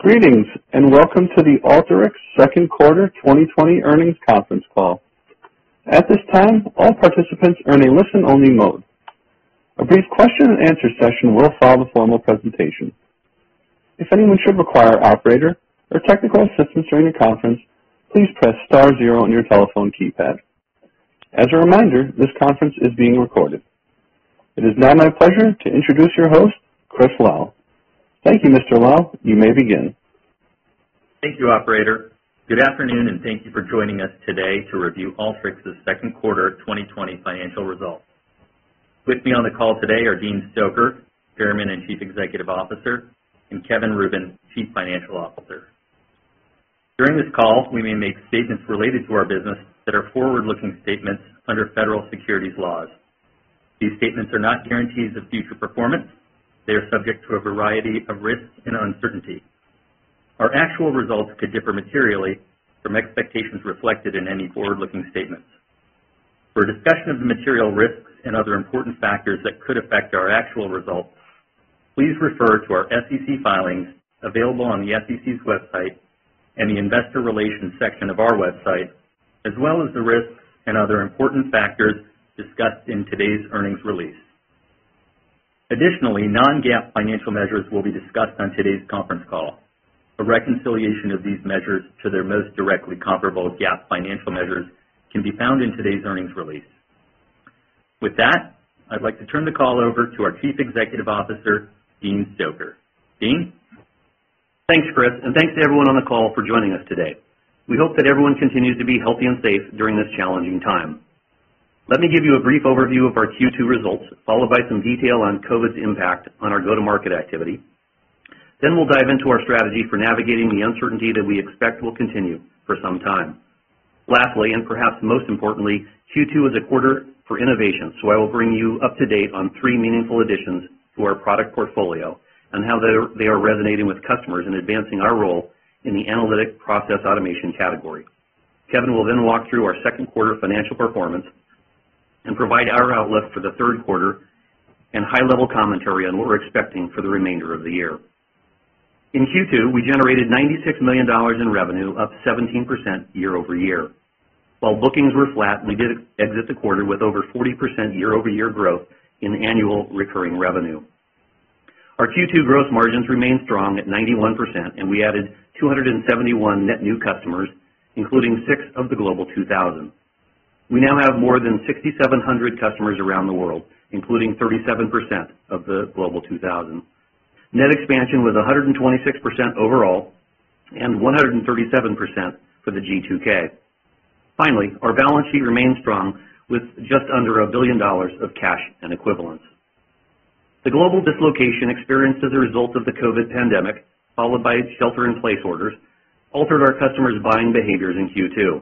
Greetings, and welcome to the Alteryx second quarter 2020 earnings conference call. At this time all participants are in a listen-only mode after this question and answer session will follow the formal presentation, if anyone should require an operator, a technical assistant in the conference, please press star zero on your telephone keypad as a reminder this conference is being recorded. It is now my pleasure to introduce your host, Chris Lal. Thank you, Mr. Lal. You may begin. Thank you, operator. Good afternoon, and thank you for joining us today to review Alteryx's second quarter 2020 financial results. With me on the call today are Dean Stoecker, Chairman and Chief Executive Officer, and Kevin Rubin, Chief Financial Officer. During this call, we may make statements related to our business that are forward-looking statements under federal securities laws. These statements are not guarantees of future performance. They are subject to a variety of risks and uncertainty. Our actual results could differ materially from expectations reflected in any forward-looking statements. For a discussion of the material risks and other important factors that could affect our actual results, please refer to our SEC filings available on the SEC's website and the investor relations section of our website, as well as the risks and other important factors discussed in today's earnings release. Additionally, non-GAAP financial measures will be discussed on today's conference call. A reconciliation of these measures to their most directly comparable GAAP financial measures can be found in today's earnings release. With that, I'd like to turn the call over to our Chief Executive Officer, Dean Stoecker. Dean? Thanks, Chris, and thanks to everyone on the call for joining us today. We hope that everyone continues to be healthy and safe during this challenging time. Let me give you a brief overview of our Q2 results, followed by some detail on COVID's impact on our go-to-market activity. We'll dive into our strategy for navigating the uncertainty that we expect will continue for some time. Lastly, and perhaps most importantly, Q2 is a quarter for innovation, so I will bring you up to date on three meaningful additions to our product portfolio and how they are resonating with customers and advancing our role in the Analytic Process Automation category. Kevin will then walk through our second quarter financial performance and provide our outlook for the third quarter and high-level commentary on what we're expecting for the remainder of the year. In Q2, we generated $96 million in revenue, up 17% year-over-year. While bookings were flat, we did exit the quarter with over 40% year-over-year growth in annual recurring revenue. Our Q2 gross margins remained strong at 91%, and we added 271 net new customers, including six of the Global 2000. We now have more than 6,700 customers around the world, including 37% of the Global 2000. Net expansion was 126% overall and 137% for the G2K. Finally, our balance sheet remains strong with just under a billion dollars of cash and equivalents. The global dislocation experienced as a result of the COVID pandemic, followed by shelter in place orders, altered our customers' buying behaviors in Q2.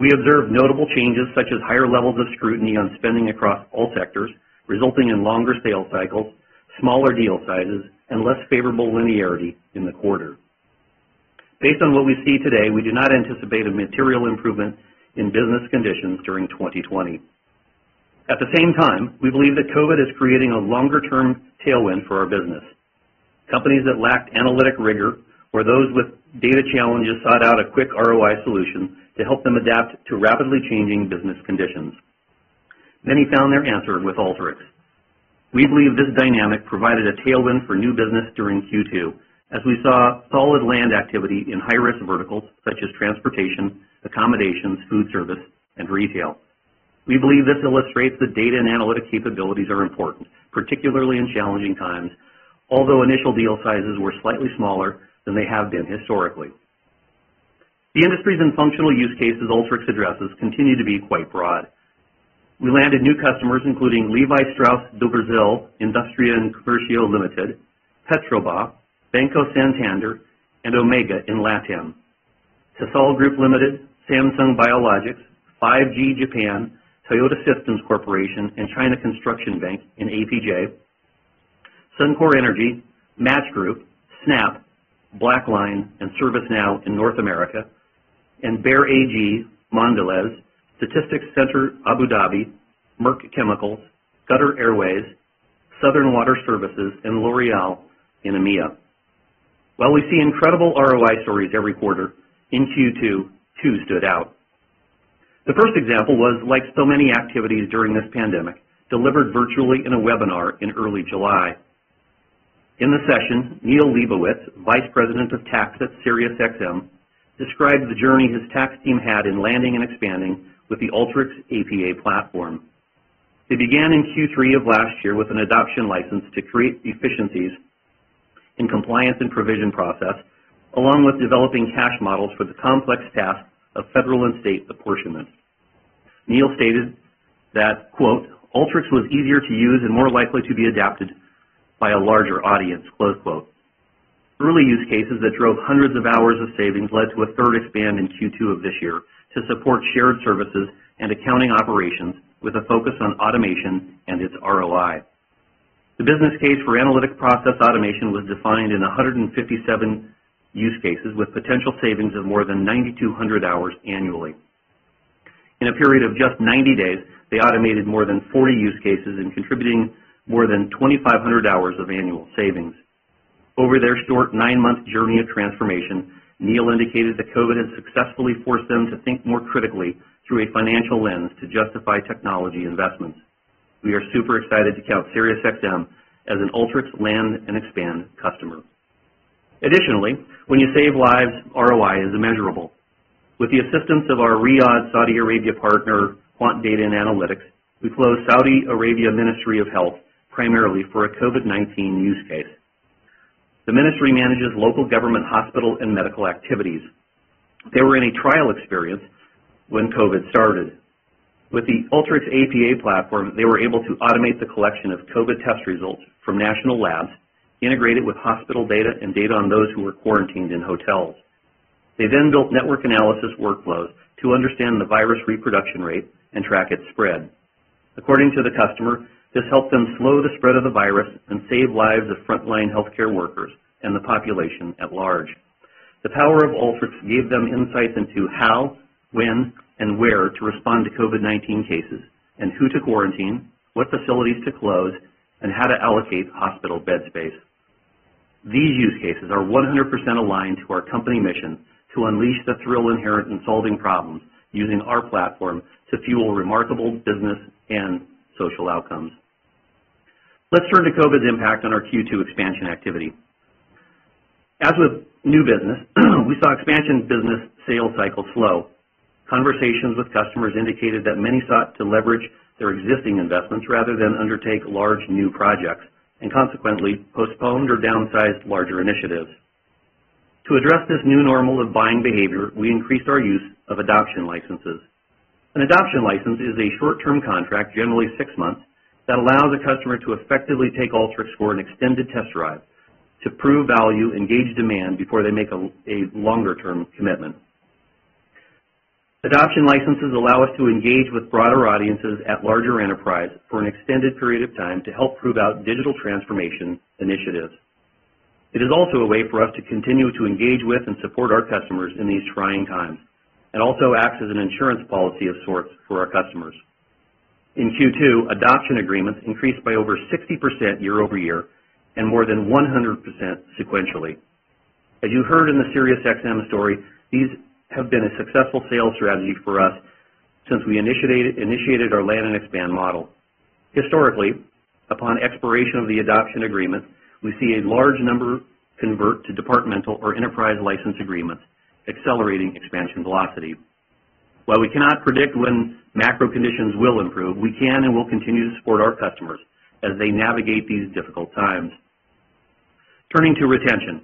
We observed notable changes such as higher levels of scrutiny on spending across all sectors, resulting in longer sales cycles, smaller deal sizes, and less favorable linearity in the quarter. Based on what we see today, we do not anticipate a material improvement in business conditions during 2020. At the same time, we believe that COVID is creating a longer-term tailwind for our business. Companies that lacked analytic rigor or those with data challenges sought out a quick ROI solution to help them adapt to rapidly changing business conditions. Many found their answer with Alteryx. We believe this dynamic provided a tailwind for new business during Q2 as we saw solid land activity in high-risk verticals such as transportation, accommodations, food service, and retail. We believe this illustrates that data and analytic capabilities are important, particularly in challenging times. Although initial deal sizes were slightly smaller than they have been historically. The industries and functional use cases Alteryx addresses continue to be quite broad. We landed new customers, including Levi Strauss do Brasil Industria e Comercio Limited, Petrobras, Banco Santander, and Omega in LATAM. Tesel Group Ltd, Samsung Biologics, 5G JAPAN, Toyota Systems Corporation, and China Construction Bank in APJ. Suncor Energy, Match Group, Snap, BlackLine, and ServiceNow in North America. Bayer AG, Mondelēz, Statistics Centre - Abu Dhabi, Merck Chemicals, Qatar Airways, Southern Water Services, and L'Oréal in EMEA. While we see incredible ROI stories every quarter, in Q2, two stood out. The first example was, like so many activities during this pandemic, delivered virtually in a webinar in early July. In the session, Neil Leibowitz, Vice President of Tax at SiriusXM, described the journey his tax team had in landing and expanding with the Alteryx APA platform. They began in Q3 of last year with an adoption license to create efficiencies in compliance and provision process, along with developing cash models for the complex tasks of federal and state apportionments. Neil stated that, "Alteryx was easier to use and more likely to be adapted by a larger audience." Early use cases that drove hundreds of hours of savings led to a third expand in Q2 of this year to support shared services and accounting operations with a focus on automation and its ROI. The business case for Analytic Process Automation was defined in 157 use cases with potential savings of more than 9,200 hours annually. In a period of just 90 days, they automated more than 40 use cases and contributing more than 2,500 hours of annual savings. Over their short 9-month journey of transformation, Neil indicated that COVID has successfully forced them to think more critically through a financial lens to justify technology investments. We are super excited to count SiriusXM as an Alteryx land and expand customer. When you save lives, ROI is immeasurable. With the assistance of our Riyadh, Saudi Arabia partner, Quant Data & Analytics, we closed Saudi Arabia Ministry of Health, primarily for a COVID-19 use case. The Ministry manages local government hospital and medical activities. They were in a trial experience when COVID started. With the Alteryx APA platform, they were able to automate the collection of COVID test results from national labs, integrate it with hospital data, and data on those who were quarantined in hotels. They built network analysis workloads to understand the virus reproduction rate and track its spread. According to the customer, this helped them slow the spread of the virus and save lives of frontline healthcare workers and the population at large. The power of Alteryx gave them insights into how, when, and where to respond to COVID-19 cases, and who to quarantine, what facilities to close, and how to allocate hospital bed space. These use cases are 100% aligned to our company mission to unleash the thrill inherent in solving problems using our platform to fuel remarkable business and social outcomes. Let's turn to COVID's impact on our Q2 expansion activity. As with new business, we saw expansion business sales cycle slow. Conversations with customers indicated that many sought to leverage their existing investments rather than undertake large new projects, and consequently postponed or downsized larger initiatives. To address this new normal of buying behavior, we increased our use of adoption licenses. An adoption license is a short-term contract, generally six months, that allows a customer to effectively take Alteryx for an extended test drive to prove value and gauge demand before they make a longer-term commitment. Adoption licenses allow us to engage with broader audiences at larger enterprise for an extended period of time to help prove out digital transformation initiatives. It is also a way for us to continue to engage with and support our customers in these trying times. It also acts as an insurance policy of sorts for our customers. In Q2, adoption agreements increased by over 60% year-over-year, and more than 100% sequentially. As you heard in the SiriusXM story, these have been a successful sales strategy for us since we initiated our land and expand model. Historically, upon expiration of the adoption agreement, we see a large number convert to departmental or enterprise license agreements, accelerating expansion velocity. While we cannot predict when macro conditions will improve, we can and will continue to support our customers as they navigate these difficult times. Turning to retention.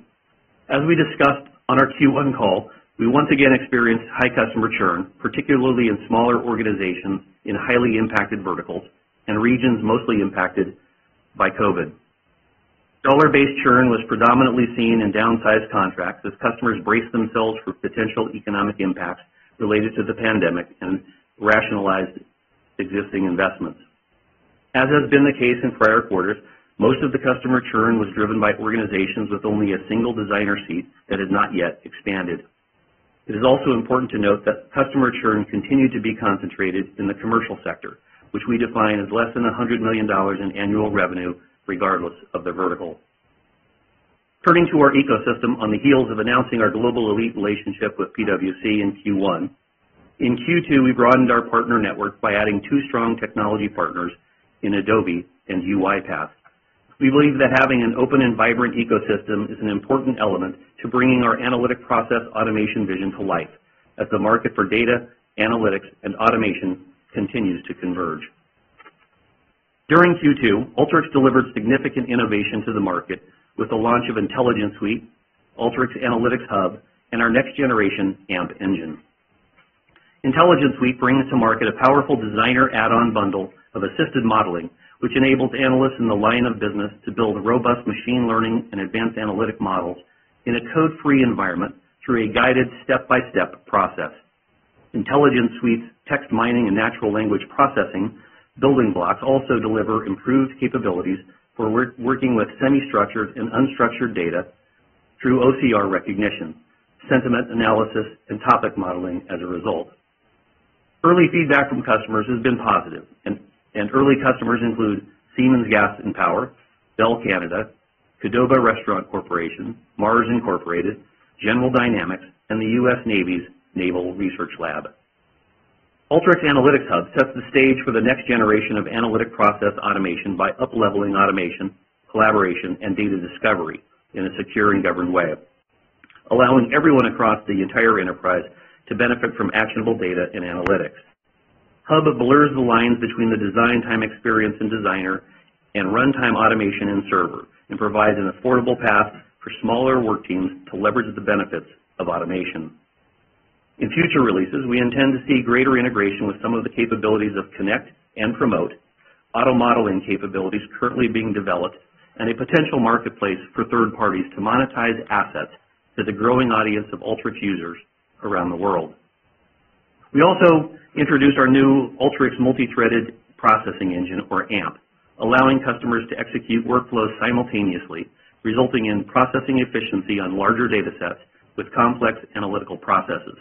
As we discussed on our Q1 call, we once again experienced high customer churn, particularly in smaller organizations in highly impacted verticals and regions mostly impacted by COVID. Dollar-based churn was predominantly seen in downsized contracts as customers braced themselves for potential economic impacts related to the pandemic and rationalized existing investments. As has been the case in prior quarters, most of the customer churn was driven by organizations with only a single designer seat that had not yet expanded. It is also important to note that customer churn continued to be concentrated in the commercial sector, which we define as less than $100 million in annual revenue, regardless of the vertical. Turning to our ecosystem, on the heels of announcing our global elite relationship with PwC in Q1, in Q2, we broadened our partner network by adding two strong technology partners in Adobe and UiPath. We believe that having an open and vibrant ecosystem is an important element to bringing our Analytic Process Automation vision to life as the market for data, analytics, and automation continues to converge. During Q2, Alteryx delivered significant innovation to the market with the launch of Intelligence Suite, Alteryx Analytics Hub, and our next generation AMP engine. Intelligence Suite brings to market a powerful Designer add-on bundle of assisted modeling, which enables analysts in the line of business to build robust machine learning and advanced analytic models in a code-free environment through a guided step-by-step process. Alteryx Intelligence Suite's text mining and natural language processing building blocks also deliver improved capabilities for working with semi-structured and unstructured data through OCR recognition, sentiment analysis, and topic modeling as a result. Early feedback from customers has been positive, and early customers include Siemens Gas and Power, Bell Canada, Qdoba Restaurant Corporation, Mars, Incorporated, General Dynamics, and the U.S. Navy's Naval Research Lab. Alteryx Analytics Hub sets the stage for the next generation of Analytic Process Automation by up-leveling automation, collaboration, and data discovery in a secure and governed way, allowing everyone across the entire enterprise to benefit from actionable data and analytics. Hub blurs the lines between the design time experience in Designer and runtime automation in Server, provides an affordable path for smaller work teams to leverage the benefits of automation. In future releases, we intend to see greater integration with some of the capabilities of Connect and Promote, auto-modeling capabilities currently being developed, and a potential marketplace for third parties to monetize assets to the growing audience of Alteryx users around the world. We also introduced our new Alteryx Multi-threaded Processing engine, or AMP, allowing customers to execute workflows simultaneously, resulting in processing efficiency on larger data sets with complex analytical processes.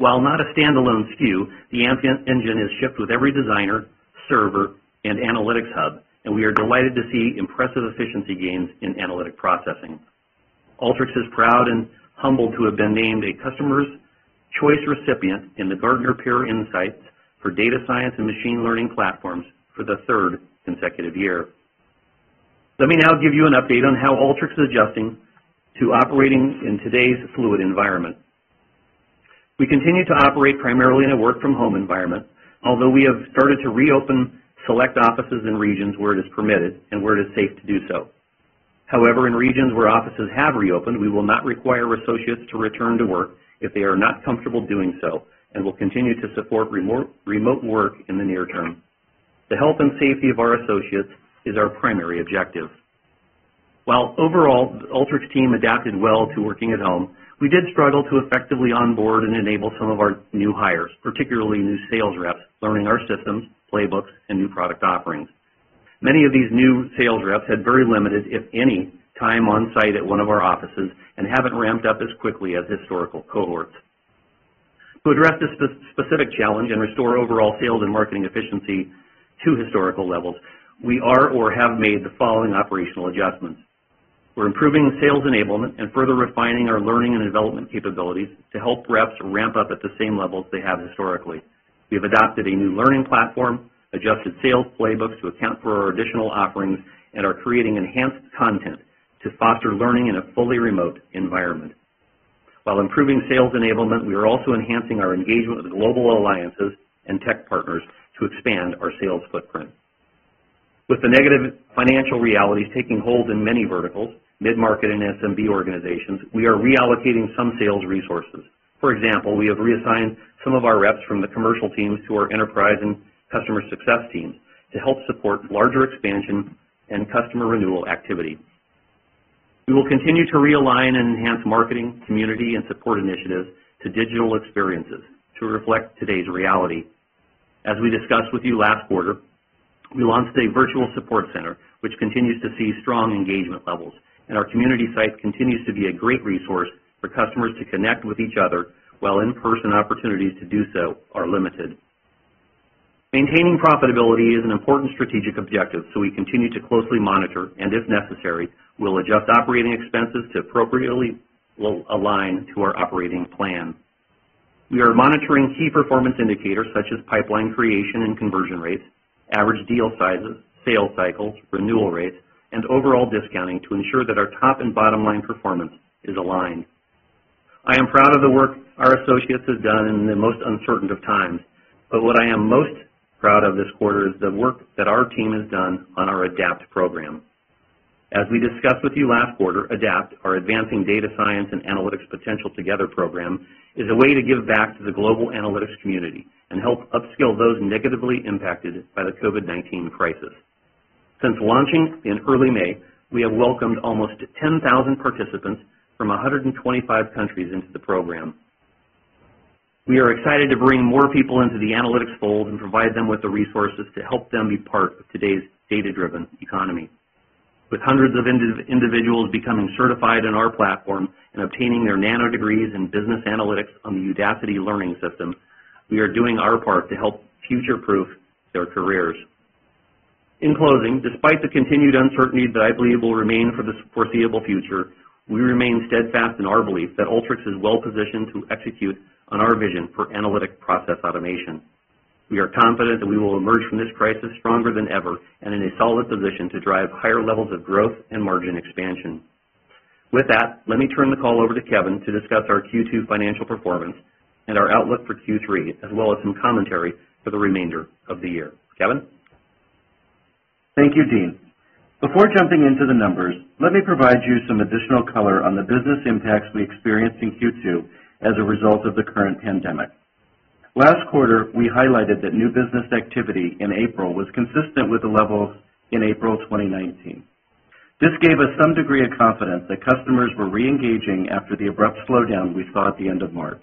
While not a standalone SKU, the AMP engine is shipped with every Designer, Server, and Analytics Hub, we are delighted to see impressive efficiency gains in analytic processing. Alteryx is proud and humbled to have been named a Customer's Choice recipient in the Gartner Peer Insights for Data Science and Machine Learning Platforms for the third consecutive year. Let me now give you an update on how Alteryx is adjusting to operating in today's fluid environment. We continue to operate primarily in a work-from-home environment, although we have started to reopen select offices and regions where it is permitted and where it is safe to do so. In regions where offices have reopened, we will not require associates to return to work if they are not comfortable doing so, and will continue to support remote work in the near term. The health and safety of our associates is our primary objective. While overall, the Alteryx team adapted well to working at home, we did struggle to effectively onboard and enable some of our new hires, particularly new sales reps learning our systems, playbooks, and new product offerings. Many of these new sales reps had very limited, if any, time on site at one of our offices and haven't ramped up as quickly as historical cohorts. To address this specific challenge and restore overall sales and marketing efficiency to historical levels, we are or have made the following operational adjustments. We're improving sales enablement and further refining our learning and development capabilities to help reps ramp up at the same levels they have historically. We have adopted a new learning platform, adjusted sales playbooks to account for our additional offerings, and are creating enhanced content to foster learning in a fully remote environment. While improving sales enablement, we are also enhancing our engagement with global alliances and tech partners to expand our sales footprint. With the negative financial realities taking hold in many verticals, mid-market and SMB organizations, we are reallocating some sales resources. For example, we have reassigned some of our reps from the commercial teams to our enterprise and customer success teams to help support larger expansion and customer renewal activity. We will continue to realign and enhance marketing, community, and support initiatives to digital experiences to reflect today's reality. As we discussed with you last quarter, we launched a virtual support center, which continues to see strong engagement levels, and our community site continues to be a great resource for customers to connect with each other while in-person opportunities to do so are limited. Maintaining profitability is an important strategic objective, so we continue to closely monitor, and if necessary, will adjust operating expenses to appropriately align to our operating plan. We are monitoring key performance indicators such as pipeline creation and conversion rates, average deal sizes, sales cycles, renewal rates, and overall discounting to ensure that our top and bottom line performance is aligned. I am proud of the work our associates have done in the most uncertain of times. What I am most proud of this quarter is the work that our team has done on our ADAPT program. As we discussed with you last quarter, ADAPT, our Advancing Data Science and Analytics Potential Together program, is a way to give back to the global analytics community and help upskill those negatively impacted by the COVID-19 crisis. Since launching in early May, we have welcomed almost 10,000 participants from 125 countries into the program. We are excited to bring more people into the analytics fold and provide them with the resources to help them be part of today's data-driven economy. With hundreds of individuals becoming certified in our platform and obtaining their Nanodegrees in business analytics on the Udacity learning system, we are doing our part to help future-proof their careers. In closing, despite the continued uncertainty that I believe will remain for the foreseeable future, we remain steadfast in our belief that Alteryx is well-positioned to execute on our vision for Analytic Process Automation. We are confident that we will emerge from this crisis stronger than ever and in a solid position to drive higher levels of growth and margin expansion. With that, let me turn the call over to Kevin to discuss our Q2 financial performance and our outlook for Q3, as well as some commentary for the remainder of the year. Kevin? Thank you, Dean. Before jumping into the numbers, let me provide you some additional color on the business impacts we experienced in Q2 as a result of the current pandemic. Last quarter, we highlighted that new business activity in April was consistent with the levels in April 2019. This gave us some degree of confidence that customers were re-engaging after the abrupt slowdown we saw at the end of March.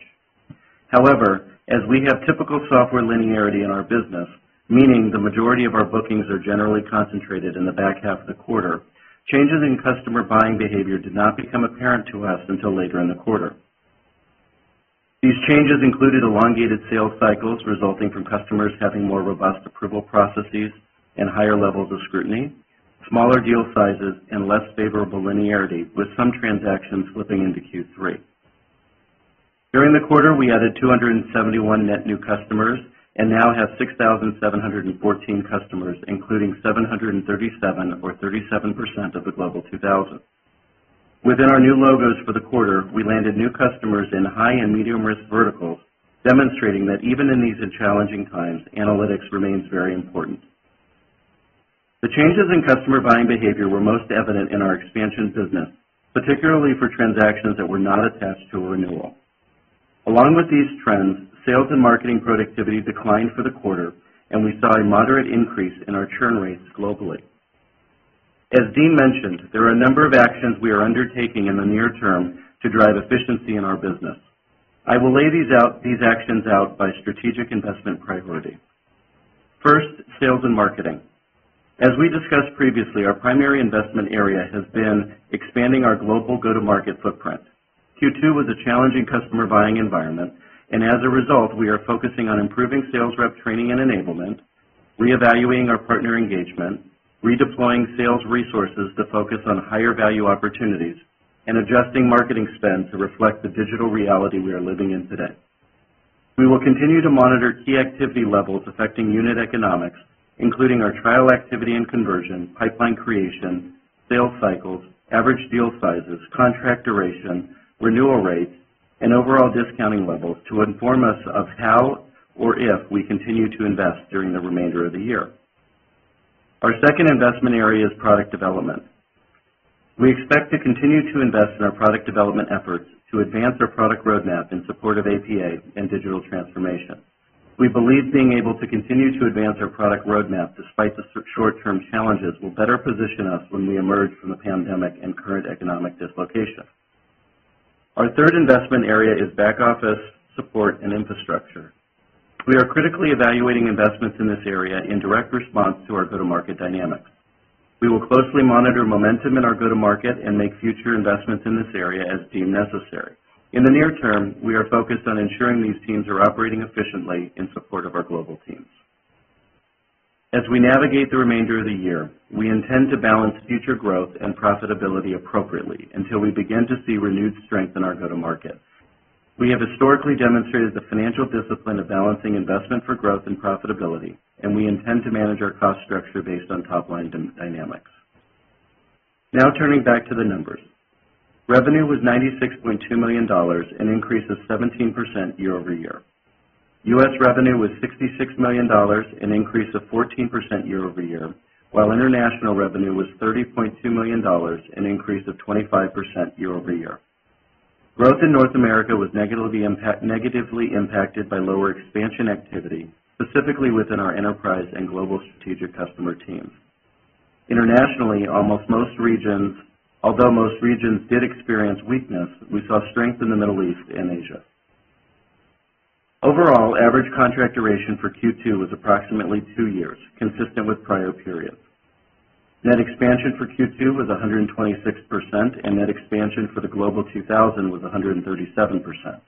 As we have typical software linearity in our business, meaning the majority of our bookings are generally concentrated in the back half of the quarter, changes in customer buying behavior did not become apparent to us until later in the quarter. These changes included elongated sales cycles resulting from customers having more robust approval processes and higher levels of scrutiny, smaller deal sizes, and less favorable linearity, with some transactions slipping into Q3. During the quarter, we added 271 net new customers and now have 6,714 customers, including 737 or 37% of the Global 2000. Within our new logos for the quarter, we landed new customers in high and medium-risk verticals, demonstrating that even in these challenging times, analytics remains very important. The changes in customer buying behavior were most evident in our expansion business, particularly for transactions that were not attached to a renewal. Along with these trends, sales and marketing productivity declined for the quarter, and we saw a moderate increase in our churn rates globally. As Dean mentioned, there are a number of actions we are undertaking in the near term to drive efficiency in our business. I will lay these actions out by strategic investment priority. First, sales and marketing. As we discussed previously, our primary investment area has been expanding our global go-to-market footprint. Q2 was a challenging customer buying environment, as a result, we are focusing on improving sales rep training and enablement, reevaluating our partner engagement, redeploying sales resources to focus on higher-value opportunities, and adjusting marketing spend to reflect the digital reality we are living in today. We will continue to monitor key activity levels affecting unit economics, including our trial activity and conversion, pipeline creation, sales cycles, average deal sizes, contract duration, renewal rates, and overall discounting levels to inform us of how or if we continue to invest during the remainder of the year. Our second investment area is product development. We expect to continue to invest in our product development efforts to advance our product roadmap in support of APA and digital transformation. We believe being able to continue to advance our product roadmap despite the short-term challenges, will better position us when we emerge from the pandemic and current economic dislocation. Our third investment area is back-office support and infrastructure. We are critically evaluating investments in this area in direct response to our go-to-market dynamics. We will closely monitor momentum in our go-to-market and make future investments in this area as deemed necessary. In the near term, we are focused on ensuring these teams are operating efficiently in support of our global teams. As we navigate the remainder of the year, we intend to balance future growth and profitability appropriately until we begin to see renewed strength in our go-to-market. We have historically demonstrated the financial discipline of balancing investment for growth and profitability, and we intend to manage our cost structure based on top-line dynamics. Now turning back to the numbers. Revenue was $96.2 million, an increase of 17% year-over-year. US revenue was $66 million, an increase of 14% year-over-year, while international revenue was $30.2 million, an increase of 25% year-over-year. Growth in North America was negatively impacted by lower expansion activity, specifically within our enterprise and global strategic customer teams. Internationally, although most regions did experience weakness, we saw strength in the Middle East and Asia. Overall, average contract duration for Q2 was approximately two years, consistent with prior periods. Net expansion for Q2 was 126%, and net expansion for the Global 2000 was 137%.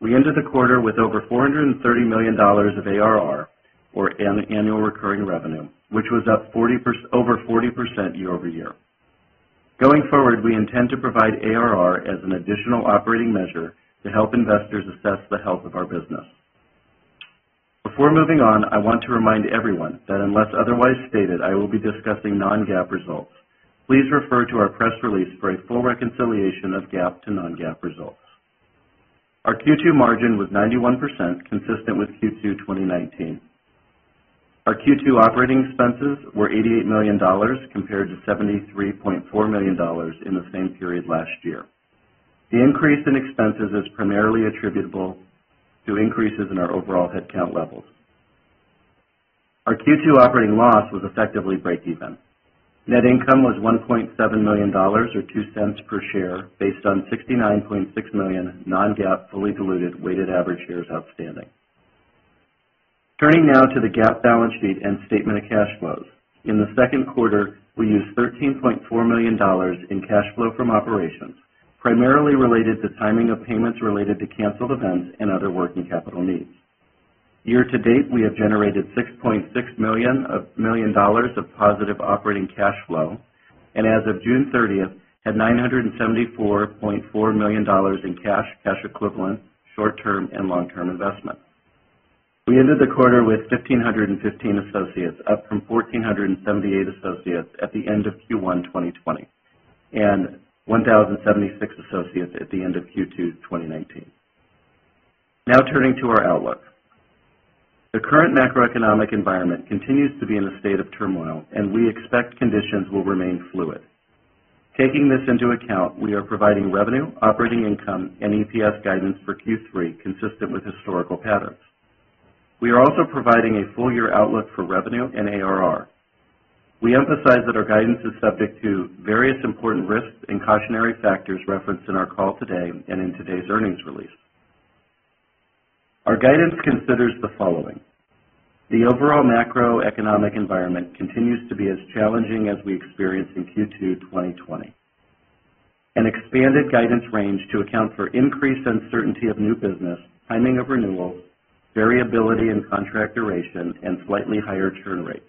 We ended the quarter with over $430 million of ARR, or annual recurring revenue, which was up over 40% year-over-year. Going forward, we intend to provide ARR as an additional operating measure to help investors assess the health of our business. Before moving on, I want to remind everyone that unless otherwise stated, I will be discussing non-GAAP results. Please refer to our press release for a full reconciliation of GAAP to non-GAAP results. Our Q2 margin was 91%, consistent with Q2 2019. Our Q2 operating expenses were $88 million, compared to $73.4 million in the same period last year. The increase in expenses is primarily attributable to increases in our overall headcount levels. Our Q2 operating loss was effectively breakeven. Net income was $1.7 million, or $0.02 per share, based on 69.6 million non-GAAP, fully diluted weighted average shares outstanding. Turning now to the GAAP balance sheet and statement of cash flows. In the second quarter, we used $13.4 million in cash flow from operations, primarily related to timing of payments related to canceled events and other working capital needs. Year to date, we have generated $6.6 million of positive operating cash flow, and as of June 30th, had $974.4 million in cash equivalents, short-term, and long-term investments. We ended the quarter with 1,515 associates, up from 1,478 associates at the end of Q1 2020, and 1,076 associates at the end of Q2 2019. Now turning to our outlook. The current macroeconomic environment continues to be in a state of turmoil, and we expect conditions will remain fluid. Taking this into account, we are providing revenue, operating income, and EPS guidance for Q3 consistent with historical patterns. We are also providing a full-year outlook for revenue and ARR. We emphasize that our guidance is subject to various important risks and cautionary factors referenced in our call today and in today's earnings release. Our guidance considers the following. The overall macroeconomic environment continues to be as challenging as we experienced in Q2 2020. An expanded guidance range to account for increased uncertainty of new business, timing of renewals, variability in contract duration, and slightly higher churn rates.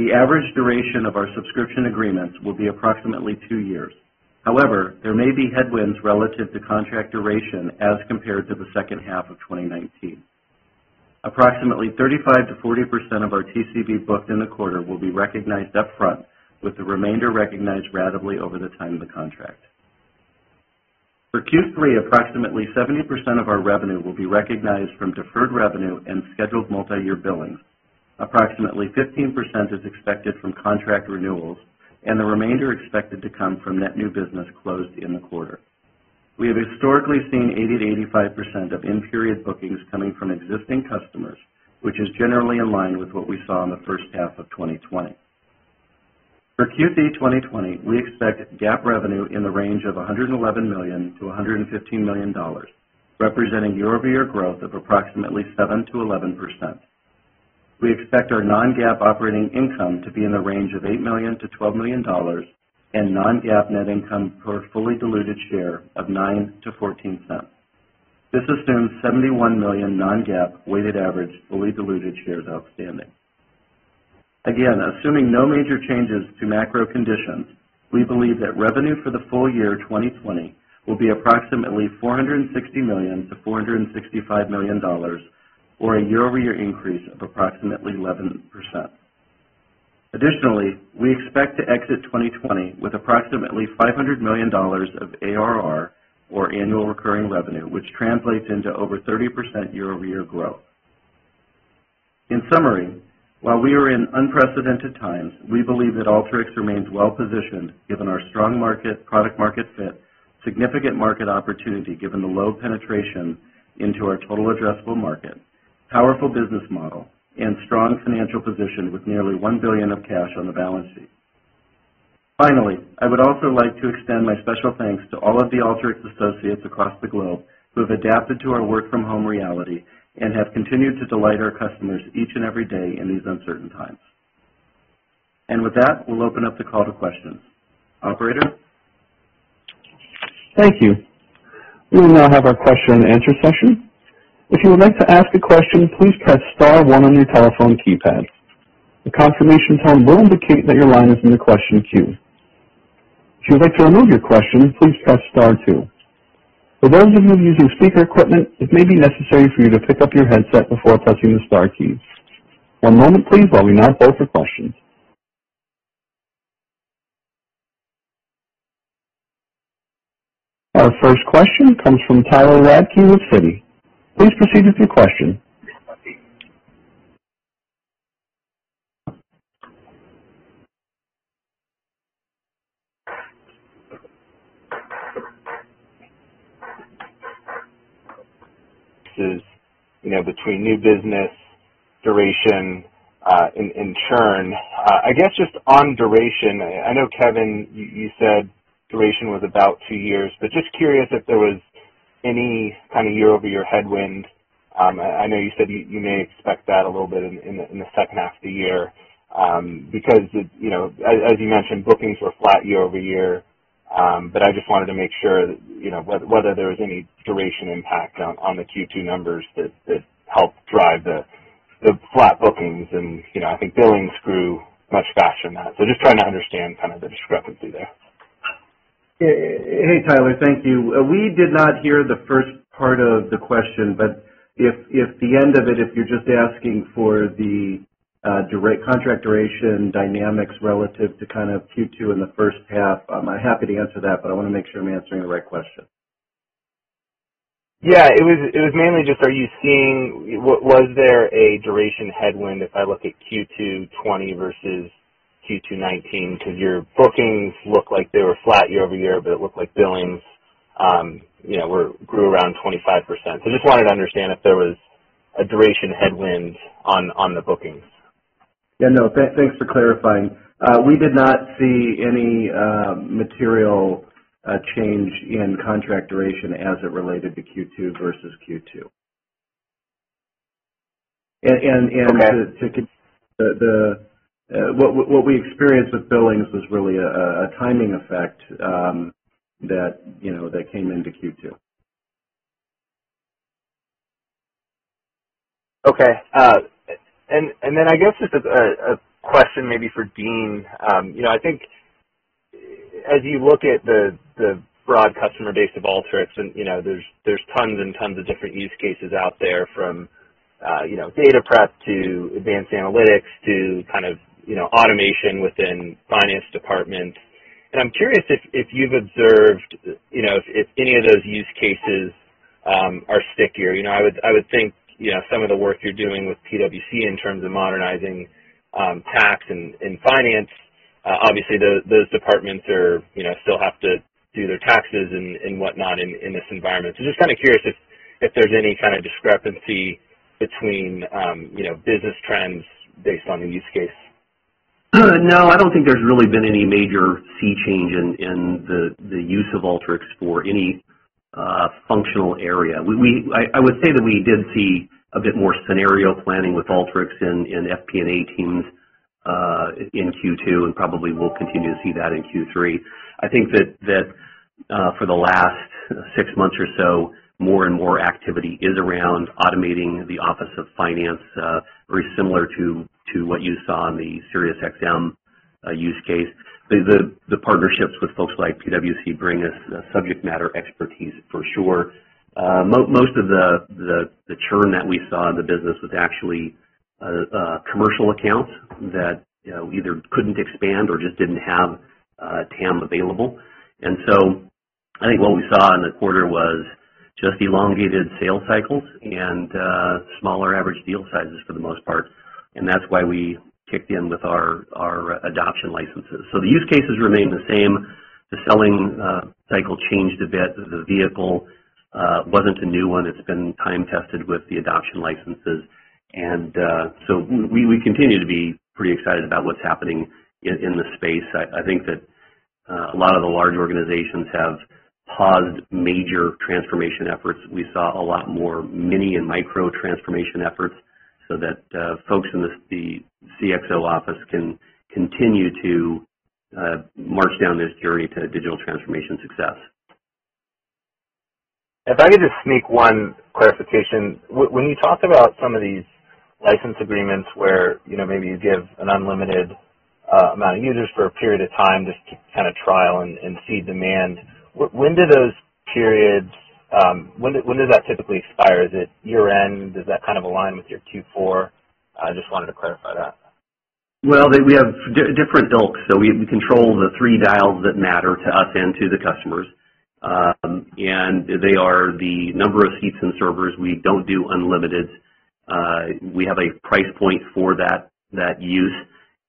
The average duration of our subscription agreements will be approximately two years. There may be headwinds relative to contract duration as compared to the second half of 2019. Approximately 35%-40% of our TCV booked in the quarter will be recognized upfront, with the remainder recognized ratably over the time of the contract. For Q3, approximately 70% of our revenue will be recognized from deferred revenue and scheduled multi-year billing. Approximately 15% is expected from contract renewals. The remainder expected to come from net new business closed in the quarter. We have historically seen 80%-85% of in-period bookings coming from existing customers, which is generally in line with what we saw in the first half of 2020. For Q3 2020, we expect GAAP revenue in the range of $111 million-$115 million, representing year-over-year growth of approximately 7%-11%. We expect our non-GAAP operating income to be in the range of $8 million-$12 million, and non-GAAP net income per fully diluted share of $0.09-$0.14. This assumes 71 million non-GAAP weighted average fully diluted shares outstanding. Assuming no major changes to macro conditions, we believe that revenue for the full year 2020 will be approximately $460 million-$465 million, or a year-over-year increase of approximately 11%. Additionally, we expect to exit 2020 with approximately $500 million of ARR, or annual recurring revenue, which translates into over 30% year-over-year growth. In summary, while we are in unprecedented times, we believe that Alteryx remains well-positioned given our strong product-market fit, significant market opportunity given the low penetration into our total addressable market, powerful business model, and strong financial position with nearly $1 billion of cash on the balance sheet. Finally, I would also like to extend my special thanks to all of the Alteryx associates across the globe who have adapted to our work-from-home reality and have continued to delight our customers each and every day in these uncertain times. With that, we'll open up the call to questions. Operator? Our first question comes from Tyler Radke with Citi. Please proceed with your question. This is between new business duration and churn. I guess just on duration, I know, Kevin, you said duration was about two years, but just curious if there was any kind of year-over-year headwind. I know you said you may expect that a little bit in the second half of the year. As you mentioned, bookings were flat year-over-year. I just wanted to make sure whether there was any duration impact on the Q2 numbers that helped drive the flat bookings. I think billings grew much faster than that. Just trying to understand the discrepancy there. Hey, Tyler. Thank you. We did not hear the first part of the question, but if the end of it, if you're just asking for the contract duration dynamics relative to Q2 in the first half, I'm happy to answer that, but I want to make sure I'm answering the right question. Yeah. It was mainly just was there a duration headwind if I look at Q2 2020 versus Q2 2019? Your bookings look like they were flat year-over-year, but it looked like billings grew around 25%. Just wanted to understand if there was a duration headwind on the bookings. Yeah, no, thanks for clarifying. We did not see any material change in contract duration as it related to Q2 versus Q2. Okay. What we experienced with billings was really a timing effect that came into Q2. Okay. I guess just a question maybe for Dean. I think as you look at the broad customer base of Alteryx, there's tons and tons of different use cases out there from data prep to advanced analytics to kind of automation within finance departments. I'm curious if you've observed if any of those use cases are stickier. I would think some of the work you're doing with PwC in terms of modernizing tax and finance, obviously those departments still have to do their taxes and whatnot in this environment. Just kind of curious if there's any kind of discrepancy between business trends based on the use case. No, I don't think there's really been any major sea change in the use of Alteryx for any functional area. I would say that we did see a bit more scenario planning with Alteryx in FP&A teams in Q2, and probably will continue to see that in Q3. I think that for the last six months or so, more and more activity is around automating the office of finance very similar to what you saw in the SiriusXM use case. The partnerships with folks like PwC bring us subject matter expertise for sure. Most of the churn that we saw in the business was actually commercial accounts that either couldn't expand or just didn't have TAM available. I think what we saw in the quarter was Just elongated sales cycles and smaller average deal sizes for the most part. That's why we kicked in with our adoption licenses. The use cases remain the same. The selling cycle changed a bit. The vehicle wasn't a new one. It's been time-tested with the adoption licenses. We continue to be pretty excited about what's happening in the space. I think that a lot of the large organizations have paused major transformation efforts. We saw a lot more mini and micro transformation efforts so that folks in the CXO office can continue to march down this journey to digital transformation success. If I could just sneak one clarification. When you talk about some of these license agreements where maybe you give an unlimited amount of users for a period of time just to kind of trial and see demand, when do those periods typically expire? Is it year-end? Does that kind of align with your Q4? I just wanted to clarify that. Well, we have different dials. We control the three dials that matter to us and to the customers. They are the number of seats and servers. We don't do unlimited. We have a price point for that use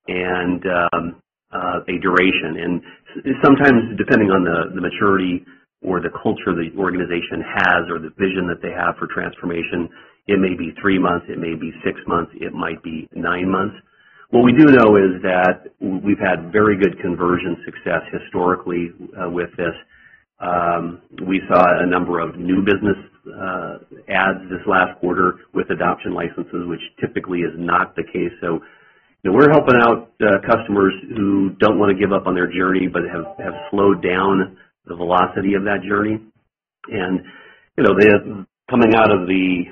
and a duration. Sometimes, depending on the maturity or the culture the organization has or the vision that they have for transformation, it may be three months, it may be six months, it might be nine months. What we do know is that we've had very good conversion success historically with this. We saw a number of new business ads this last quarter with adoption licenses, which typically is not the case. We're helping out customers who don't want to give up on their journey, but have slowed down the velocity of that journey. Coming out of the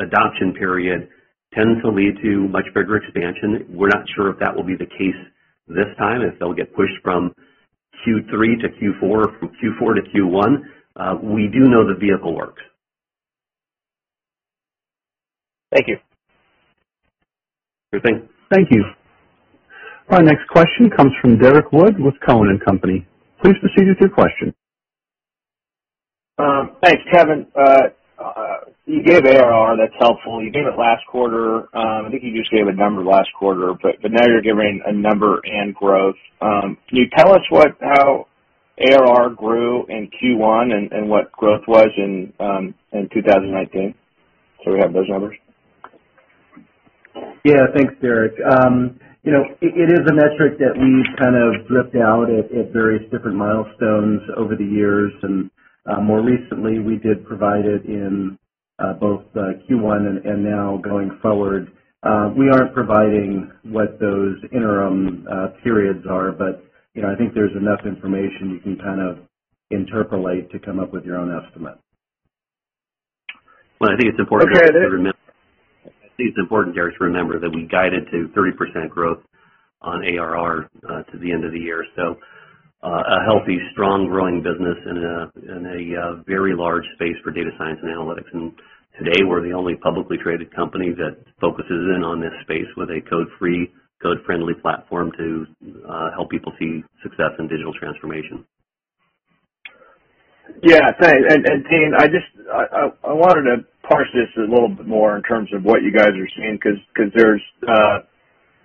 adoption period tends to lead to much bigger expansion. We're not sure if that will be the case this time, if they'll get pushed from Q3 to Q4, from Q4 to Q1. We do know the vehicle works. Thank you. Sure thing. Thank you. Our next question comes from Derrick Wood with Cowen and Company. Please proceed with your question. Thanks, Kevin. You gave ARR, that's helpful. You gave it last quarter. I think you just gave a number last quarter, but now you're giving a number and growth. Can you tell us how ARR grew in Q1 and what growth was in 2019? Do we have those numbers? Yeah. Thanks, Derrick. It is a metric that we've kind of dripped out at various different milestones over the years, and more recently, we did provide it in both Q1 and now going forward. We aren't providing what those interim periods are, but I think there's enough information you can kind of interpolate to come up with your own estimate. Okay. I think it's important, Derrick, to remember that we guided to 30% growth on ARR to the end of the year. A healthy, strong growing business in a very large space for data science and analytics. Today, we're the only publicly traded company that focuses in on this space with a code-free, code-friendly platform to help people see success in digital transformation. Yeah. Thanks. Dean, I wanted to parse this a little bit more in terms of what you guys are seeing, because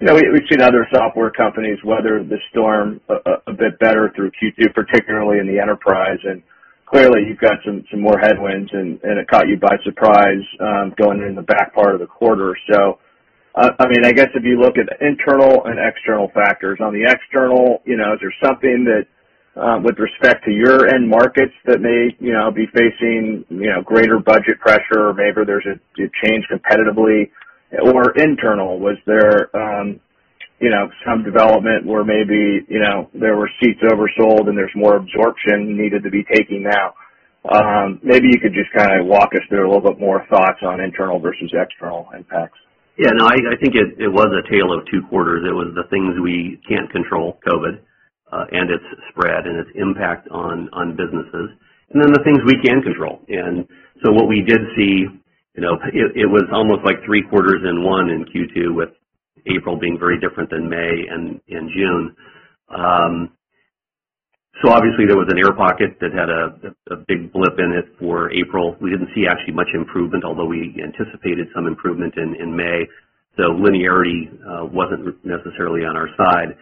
we've seen other software companies weather the storm a bit better through Q2, particularly in the enterprise, and clearly you've got some more headwinds, and it caught you by surprise going in the back part of the quarter. I guess if you look at internal and external factors, on the external, is there something that with respect to your end markets that may be facing greater budget pressure or maybe there's a change competitively or internal? Was there some development where maybe there were seats oversold and there's more absorption needed to be taken now? Maybe you could just kind of walk us through a little bit more thoughts on internal versus external impacts. Yeah. No, I think it was a tale of two quarters. It was the things we can't control, COVID, and its spread and its impact on businesses, and then the things we can control. What we did see, it was almost like three quarters in one in Q2 with April being very different than May and June. Obviously there was an air pocket that had a big blip in it for April. We didn't see actually much improvement, although we anticipated some improvement in May. Linearity wasn't necessarily on our side.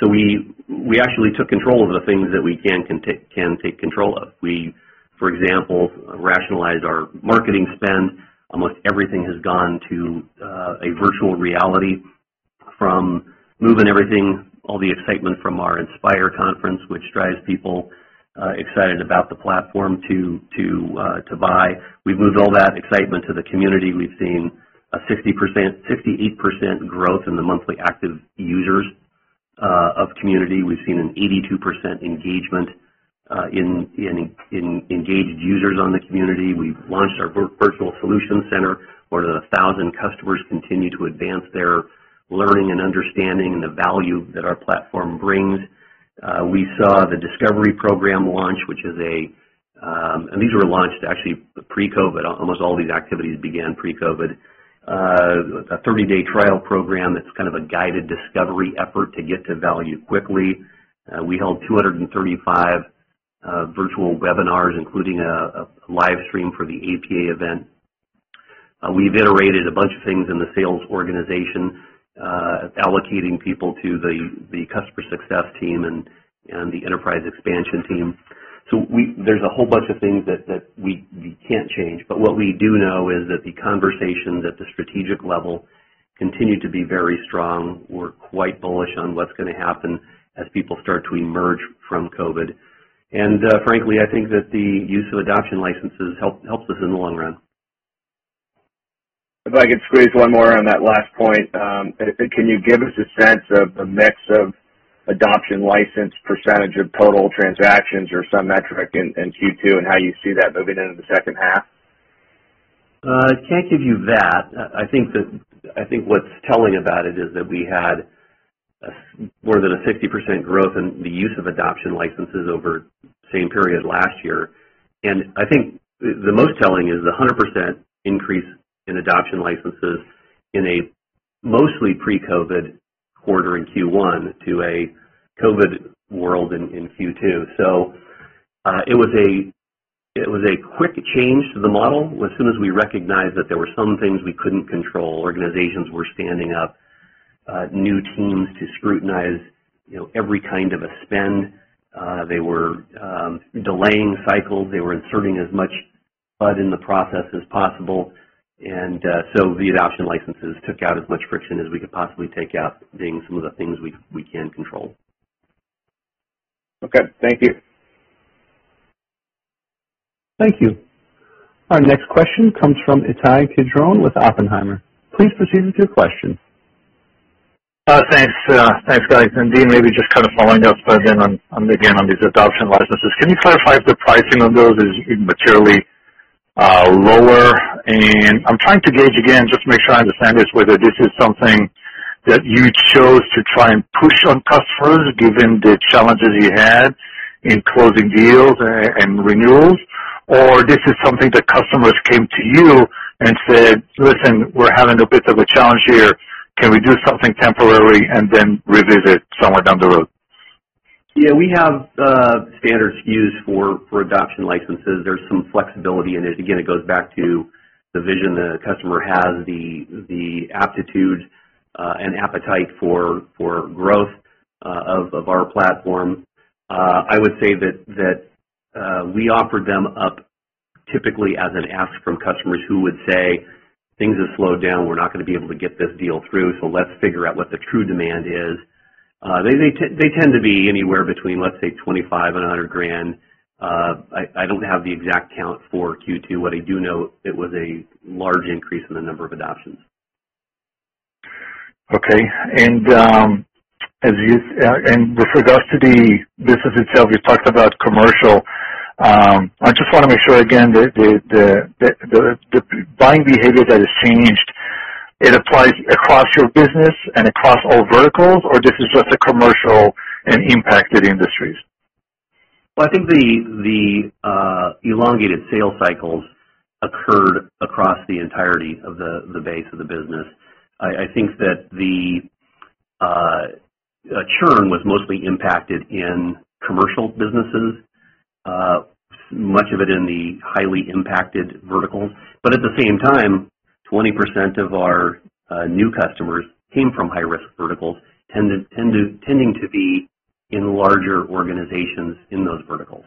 We actually took control of the things that we can take control of. We, for example, rationalized our marketing spend. Almost everything has gone to a virtual reality from moving everything, all the excitement from our Inspire conference, which drives people excited about the platform to buy. We've moved all that excitement to the Community. We've seen a 58% growth in the monthly active users of Community. We've seen an 82% engagement in engaged users on the Community. We've launched our virtual solution center, more than 1,000 customers continue to advance their learning and understanding and the value that our platform brings. We saw the Discovery program launch, these were launched actually pre-COVID. Almost all these activities began pre-COVID. A 30-day trial program that's kind of a guided discovery effort to get to value quickly. We held 235 virtual webinars, including a live stream for the APA event. We've iterated a bunch of things in the sales organization, allocating people to the customer success team and the enterprise expansion team. There's a whole bunch of things that we can't change, but what we do know is that the conversations at the strategic level continue to be very strong. We're quite bullish on what's going to happen as people start to emerge from COVID. Frankly, I think that the use of adoption licenses helps us in the long run. If I could squeeze one more on that last point. Can you give us a sense of the mix of adoption license percentage of total transactions or some metric in Q2 and how you see that moving into the second half? I can't give you that. I think what's telling about it is that we had more than a 60% growth in the use of adoption licenses over the same period last year. I think the most telling is 100% increase in adoption licenses in a mostly pre-COVID quarter in Q1 to a COVID world in Q2. It was a quick change to the model as soon as we recognized that there were some things we couldn't control. Organizations were standing up new teams to scrutinize every kind of a spend. They were delaying cycles. They were inserting as much mud in the process as possible. The adoption licenses took out as much friction as we could possibly take out, being some of the things we can control. Okay. Thank you. Thank you. Our next question comes from Ittai Kidron with Oppenheimer. Please proceed with your question. Thanks. Thanks, guys. Dean, maybe just kind of following up again on these adoption licenses. Can you clarify if the pricing on those is materially lower? I'm trying to gauge again, just to make sure I understand this, whether this is something that you chose to try and push on customers given the challenges you had in closing deals and renewals, or this is something that customers came to you and said, "Listen, we're having a bit of a challenge here. Can we do something temporary and then revisit somewhere down the road? Yeah, we have standard SKUs for adoption licenses. Again, it goes back to the vision that a customer has, the aptitude and appetite for growth of our platform. I would say that we offered them up typically as an ask from customers who would say, "Things have slowed down. We're not going to be able to get this deal through, so let's figure out what the true demand is." They tend to be anywhere between, let's say, $25 grand-$100 grand. I don't have the exact count for Q2. What I do know, it was a large increase in the number of adoptions. Okay. With regards to the business itself, you talked about commercial. I just want to make sure again that the buying behavior that has changed, it applies across your business and across all verticals, or this is just the commercial and impacted industries? I think the elongated sales cycles occurred across the entirety of the base of the business. I think that the churn was mostly impacted in commercial businesses, much of it in the highly impacted verticals. At the same time, 20% of our new customers came from high-risk verticals, tending to be in larger organizations in those verticals.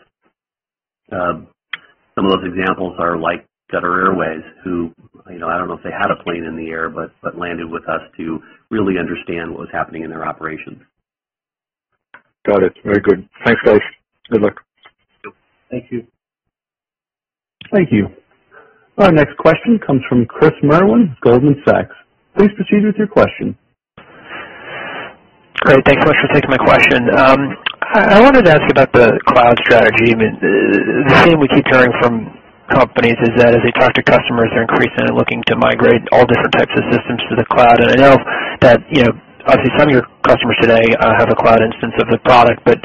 Some of those examples are like Qatar Airways, who, I don't know if they had a plane in the air, but landed with us to really understand what was happening in their operations. Got it. Very good. Thanks, guys. Good luck. Thank you. Thank you. Our next question comes from Chris Merwin, Goldman Sachs. Please proceed with your question. Great. Thanks so much for taking my question. I wanted to ask about the cloud strategy. The theme we keep hearing from companies is that as they talk to customers, they're increasingly looking to migrate all different types of systems to the cloud. I know that obviously some of your customers today have a cloud instance of the product, but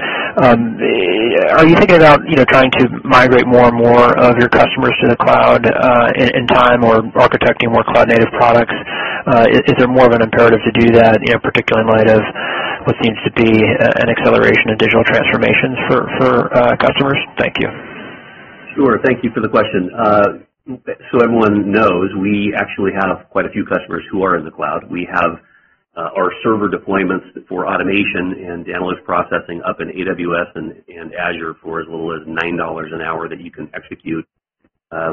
are you thinking about trying to migrate more and more of your customers to the cloud in time or architecting more cloud-native products? Is there more of an imperative to do that, particularly in light of what seems to be an acceleration of digital transformation for customers? Thank you. Sure. Thank you for the question. Everyone knows, we actually have quite a few customers who are in the cloud. We have our server deployments for automation and analyst processing up in AWS and Azure for as little as $9 an hour that you can execute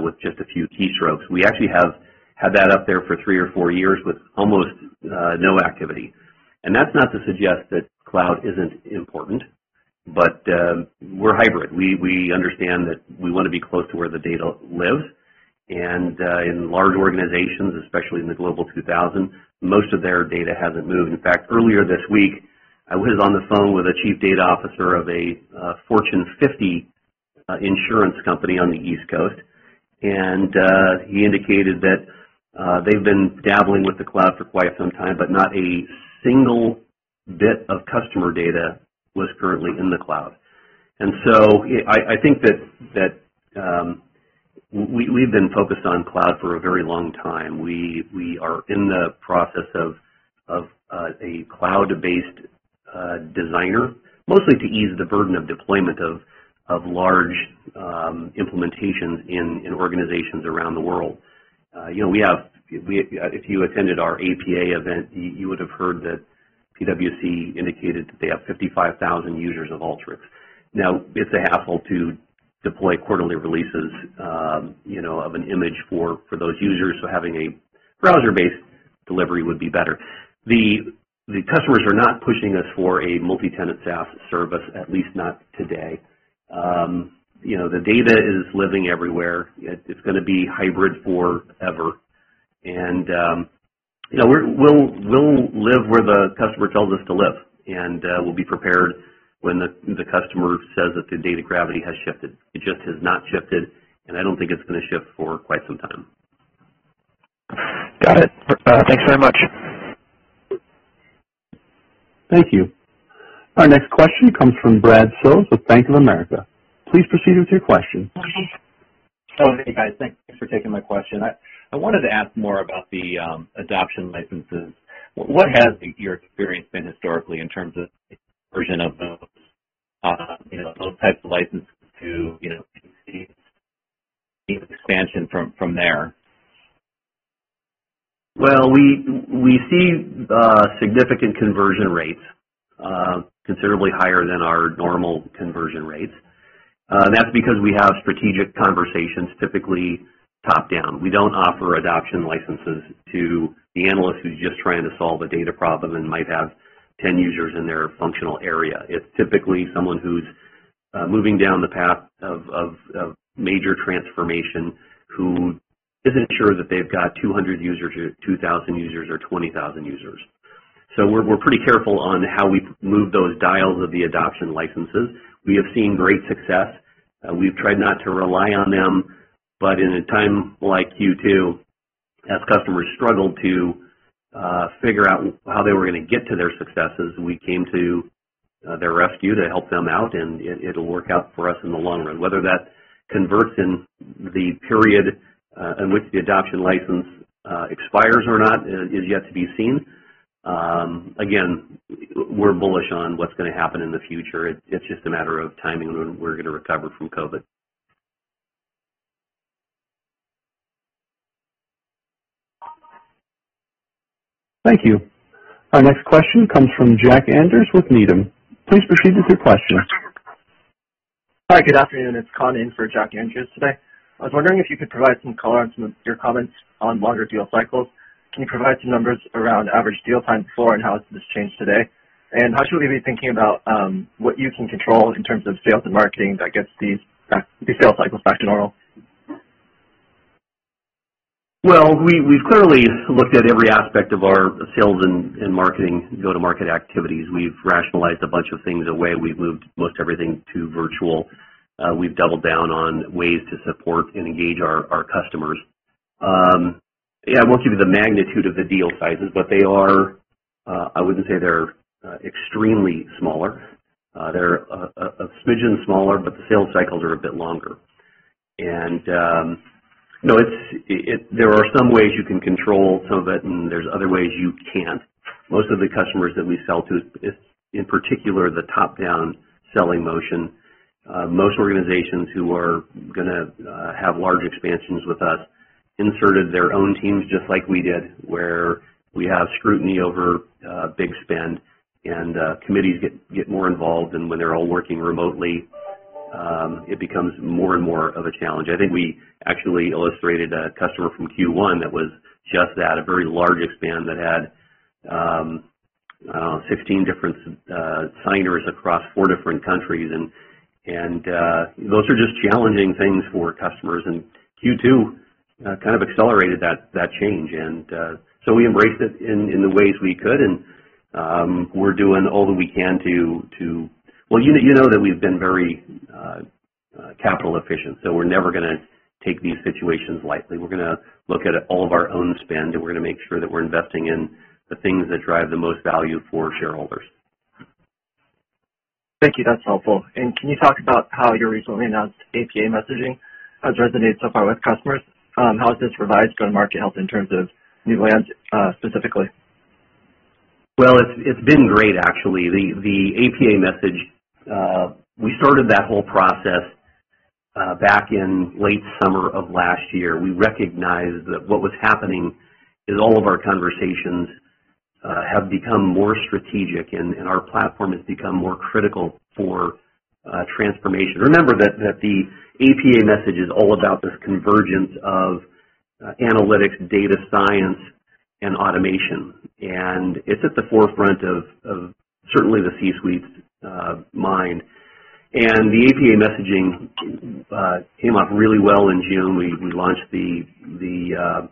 with just a few keystrokes. We actually have had that up there for three or four years with almost no activity. That's not to suggest that cloud isn't important, but we're hybrid. We understand that we want to be close to where the data lives. In large organizations, especially in the Global 2000, most of their data hasn't moved. In fact, earlier this week, I was on the phone with a chief data officer of a Fortune 50 insurance company on the East Coast, and he indicated that they've been dabbling with the cloud for quite some time, but not a single bit of customer data was currently in the cloud. I think that we've been focused on cloud for a very long time. We are in the process of a cloud-based Designer, mostly to ease the burden of deployment of large implementations in organizations around the world. If you attended our APA event, you would've heard that PwC indicated that they have 55,000 users of Alteryx. Now, it's a hassle to deploy quarterly releases of an image for those users, so having a browser-based delivery would be better. The customers are not pushing us for a multi-tenant SaaS service, at least not today. The data is living everywhere. It's going to be hybrid forever. We'll live where the customer tells us to live, and we'll be prepared when the customer says that the data gravity has shifted. It just has not shifted, and I don't think it's going to shift for quite some time. Got it. Thanks very much. Thank you. Our next question comes from Brad Sills with Bank of America. Please proceed with your question. Oh, hey, guys. Thanks for taking my question. I wanted to ask more about the adoption licenses. What has your experience been historically in terms of conversion of those types of licenses to see expansion from there? Well, we see significant conversion rates, considerably higher than our normal conversion rates. That's because we have strategic conversations, typically top-down. We don't offer adoption licenses to the analyst who's just trying to solve a data problem and might have 10 users in their functional area. It's typically someone who's moving down the path of major transformation, who isn't sure that they've got 200 users or 2,000 users or 20,000 users. We're pretty careful on how we move those dials of the adoption licenses. We have seen great success. We've tried not to rely on them, but in a time like Q2, as customers struggled to figure out how they were going to get to their successes, we came to their rescue to help them out, and it'll work out for us in the long run. Whether that converts in the period in which the adoption license expires or not is yet to be seen. We're bullish on what's going to happen in the future. It's just a matter of timing when we're going to recover from COVID. Thank you. Our next question comes from Jack Andrews with Needham. Please proceed with your question. Hi, good afternoon. It's Khanh in for Jack Andrews today. I was wondering if you could provide some color on some of your comments on longer deal cycles. Can you provide some numbers around average deal time before and how has this changed today? How should we be thinking about what you can control in terms of sales and marketing that gets these sales cycles back to normal? We've clearly looked at every aspect of our sales and marketing go-to-market activities. We've rationalized a bunch of things away. We've moved most everything to virtual. We've doubled down on ways to support and engage our customers. Yeah, I won't give you the magnitude of the deal sizes, but I wouldn't say they're extremely smaller. They're a smidgen smaller, but the sales cycles are a bit longer. There are some ways you can control some of it and there's other ways you can't. Most of the customers that we sell to, in particular, the top-down selling motion, most organizations who are going to have large expansions with us inserted their own teams just like we did, where we have scrutiny over big spend and committees get more involved. When they're all working remotely, it becomes more and more of a challenge. I think we actually illustrated a customer from Q1 that was just that, a very large expand that had 15 different signers across four different countries, and those are just challenging things for customers. Q2 kind of accelerated that change. We embraced it in the ways we could, and we're doing all that we can. You know that we've been very capital efficient, so we're never going to take these situations lightly. We're going to look at all of our own spend, and we're going to make sure that we're investing in the things that drive the most value for shareholders. Thank you. That's helpful. Can you talk about how your recently announced APA messaging has resonated so far with customers? How has this revised go-to-market helped in terms of new lands, specifically? Well, it's been great, actually. The APA message, we started that whole process back in late summer of last year. We recognized that what was happening is all of our conversations have become more strategic, and our platform has become more critical for transformation. Remember that the APA message is all about this convergence of analytics, data science, and automation. It's at the forefront of certainly the C-suite's mind. The APA messaging came up really well in June. We launched the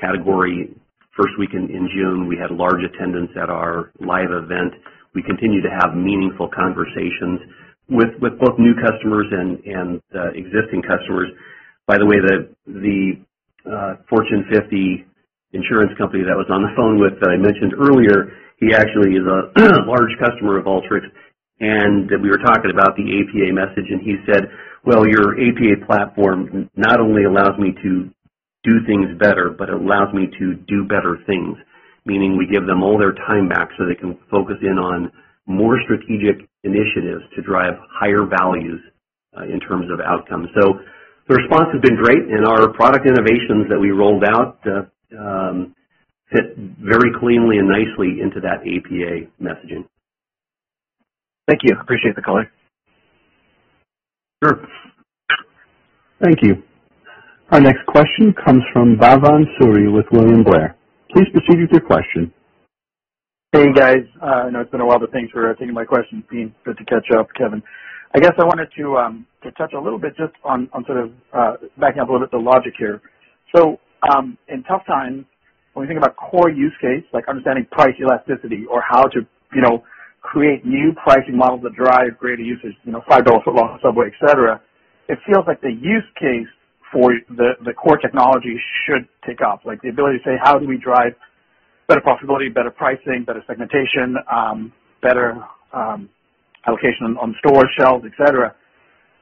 category first week in June. We had large attendance at our live event. We continue to have meaningful conversations with both new customers and existing customers. The Fortune 50 insurance company that was on the phone with, that I mentioned earlier, he actually is a large customer of Alteryx, and we were talking about the APA message, and he said, "Well, your APA platform not only allows me to do things better, but it allows me to do better things, meaning we give them all their time back so they can focus in on more strategic initiatives to drive higher values in terms of outcomes." The response has been great, and our product innovations that we rolled out fit very cleanly and nicely into that APA messaging. Thank you. Appreciate the color. Sure. Thank you. Our next question comes from Bhavan Suri with William Blair. Please proceed with your question. Hey, guys. I know it's been a while, but thanks for taking my questions, good to catch up, Kevin. I guess I wanted to touch a little bit just on sort of backing up a little bit to logic here. In tough times, when we think about core use case, like understanding price elasticity or how to create new pricing models that drive greater usage, $5 foot-long at Subway, et cetera, it feels like the use case for the core technology should take off. Like the ability to say, how do we drive better profitability, better pricing, better segmentation, better allocation on store shelves, et cetera?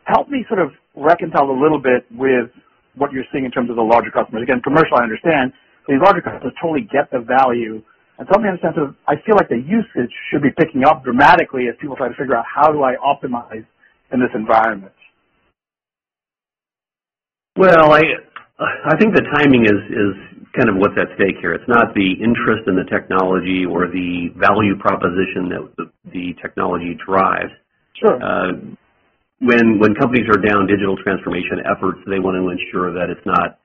Help me sort of reconcile a little bit with what you're seeing in terms of the larger customers. Again, commercial, I understand. These larger customers totally get the value, and help me understand sort of, I feel like the usage should be picking up dramatically as people try to figure out, how do I optimize in this environment? Well, I think the timing is kind of what's at stake here. It's not the interest in the technology or the value proposition that the technology drives. Sure. When companies are down digital transformation efforts, they want to ensure that it's not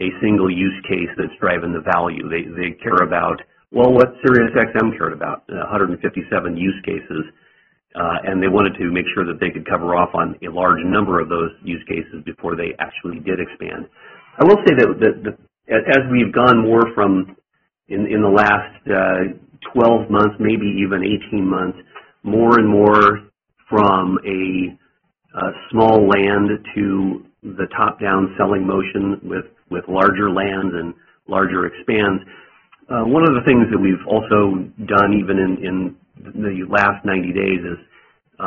a single use case that's driving the value. They care about, well, what SiriusXM cared about, 157 use cases. They wanted to make sure that they could cover off on a large number of those use cases before they actually did expand. I will say that as we've gone more from, in the last 12 months, maybe even 18 months, more and more from a small land to the top-down selling motion with larger lands and larger expands. One of the things that we've also done, even in the last 90 days, is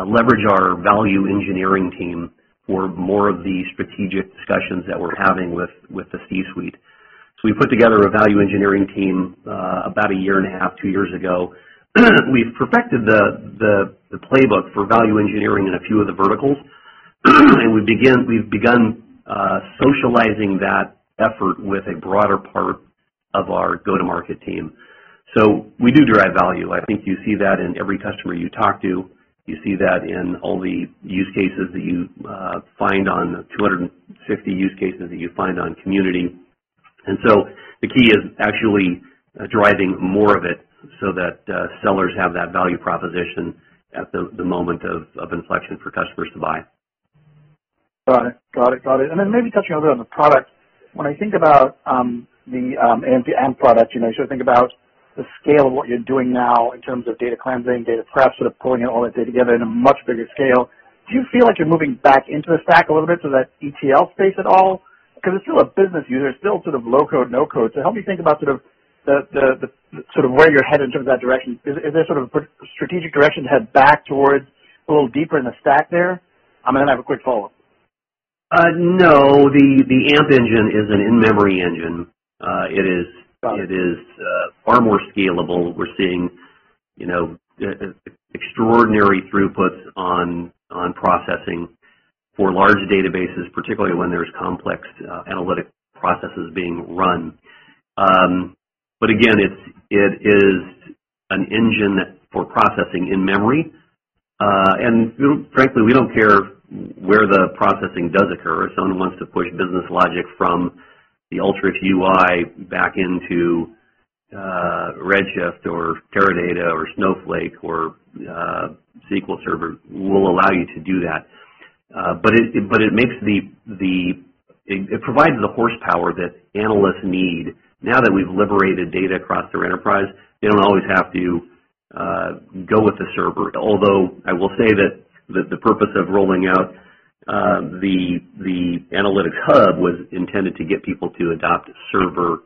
leverage our value engineering team for more of the strategic discussions that we're having with the C-suite. We put together a value engineering team about a year and a half, two years ago. We've perfected the playbook for value engineering in a few of the verticals, and we've begun socializing that effort with a broader part of our go-to-market team. We do derive value. I think you see that in every customer you talk to. You see that in all the 250 use cases that you find on Community. The key is actually deriving more of it so that sellers have that value proposition at the moment of inflection for customers to buy. Got it. Maybe touching a little on the product. When I think about the AMP product, I sort of think about the scale of what you're doing now in terms of data cleansing, data prep, sort of pulling all that data together in a much bigger scale. Do you feel like you're moving back into the stack a little bit, so that ETL space at all? Because it's still a business user, it's still sort of low-code, no-code. Help me think about sort of where you're headed in terms of that direction. Is there sort of strategic direction to head back towards a little deeper in the stack there? I have a quick follow-up. No, the AMP engine is an in-memory engine. Got it. It is far more scalable. We're seeing extraordinary throughputs on processing for large databases, particularly when there's complex analytic processes being run. Again, it is an engine for processing in-memory. Frankly, we don't care where the processing does occur. If someone wants to push business logic from the Alteryx UI back into Amazon Redshift or Teradata or Snowflake or Microsoft SQL Server, we'll allow you to do that. It provides the horsepower that analysts need. Now that we've liberated data across their enterprise, they don't always have to go with the Server. Although I will say that the purpose of rolling out the Alteryx Analytics Hub was intended to get people to adopt Server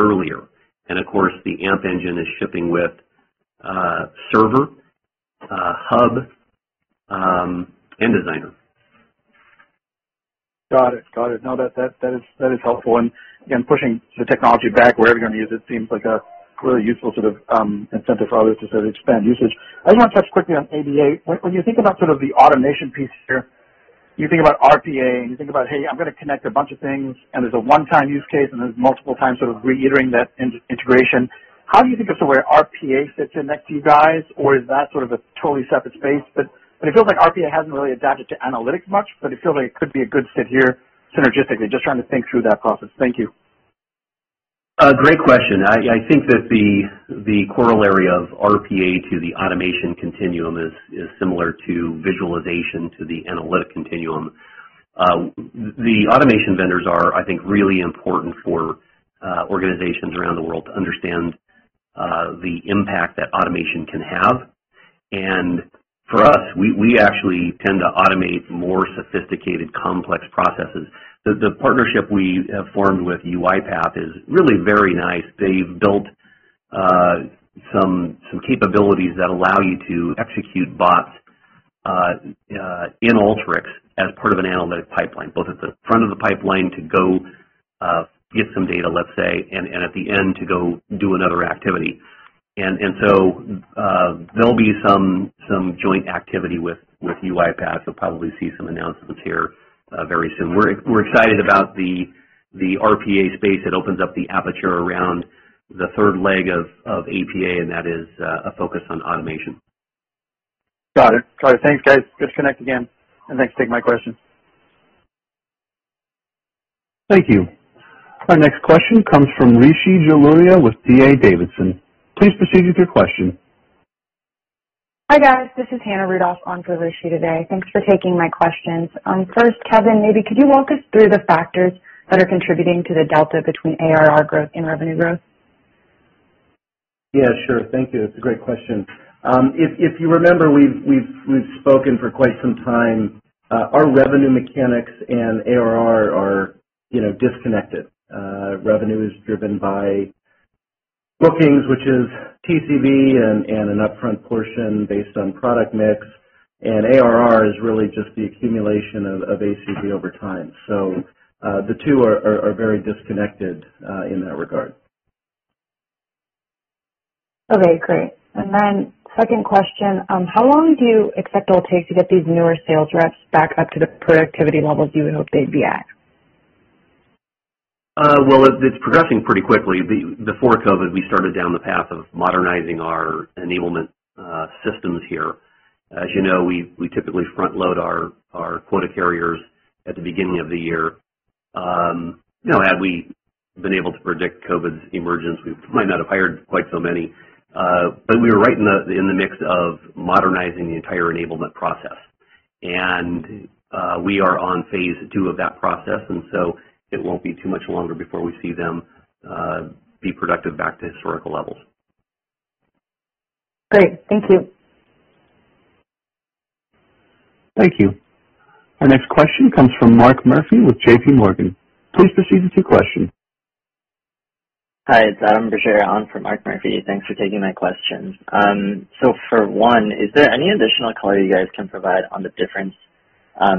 earlier. Of course, the AMP engine is shipping with Server, Hub, and Designer. Got it. No, that is helpful. Again, pushing the technology back wherever you want to use it seems like a really useful sort of incentive for others to sort of expand usage. I just want to touch quickly on APA. When you think about sort of the automation piece here, you think about RPA, and you think about, "Hey, I'm going to connect a bunch of things, and there's a one-time use case, and there's multiple times sort of reiterating that integration." How do you think of sort of where RPA fits in next to you guys? Is that sort of a totally separate space? It feels like RPA hasn't really adapted to analytics much, but it feels like it could be a good fit here synergistically. Just trying to think through that process. Thank you. Great question. I think that the corollary of RPA to the automation continuum is similar to visualization to the analytic continuum. The automation vendors are, I think, really important for organizations around the world to understand the impact that automation can have. For us, we actually tend to automate more sophisticated, complex processes. The partnership we have formed with UiPath is really very nice. They've built some capabilities that allow you to execute bots in Alteryx as part of an analytic pipeline, both at the front of the pipeline to go get some data, let's say, and at the end to go do another activity. There'll be some joint activity with UiPath. You'll probably see some announcements here very soon. We're excited about the RPA space. It opens up the aperture around the third leg of APA, and that is a focus on automation. Got it. Thanks, guys. Disconnect again, and thanks for taking my question. Thank you. Our next question comes from Rishi Jaluria with D.A. Davidson. Please proceed with your question. Hi, guys. This is Hannah Rudoff on for Rishi today. Thanks for taking my questions. First, Kevin, maybe could you walk us through the factors that are contributing to the delta between ARR growth and revenue growth? Yeah, sure. Thank you. That's a great question. If you remember, we've spoken for quite some time. Our revenue mechanics and ARR are disconnected. Revenue is driven by bookings, which is TCV and an upfront portion based on product mix. ARR is really just the accumulation of ACV over time. The two are very disconnected in that regard. Okay, great. Second question, how long do you expect it'll take to get these newer sales reps back up to the productivity levels you would hope they'd be at? Well, it's progressing pretty quickly. Before COVID, we started down the path of modernizing our enablement systems here. As you know, we typically front-load our quota carriers at the beginning of the year. Had we been able to predict COVID's emergence, we might not have hired quite so many. We were right in the mix of modernizing the entire enablement process. We are on phase 2 of that process, it won't be too much longer before we see them be productive back to historical levels. Great. Thank you. Thank you. Our next question comes from Mark Murphy with JPMorgan. Please proceed with your question. Hi, it's Adam Bergere for Mark Murphy. Thanks for taking my questions. For one, is there any additional color you guys can provide on the difference,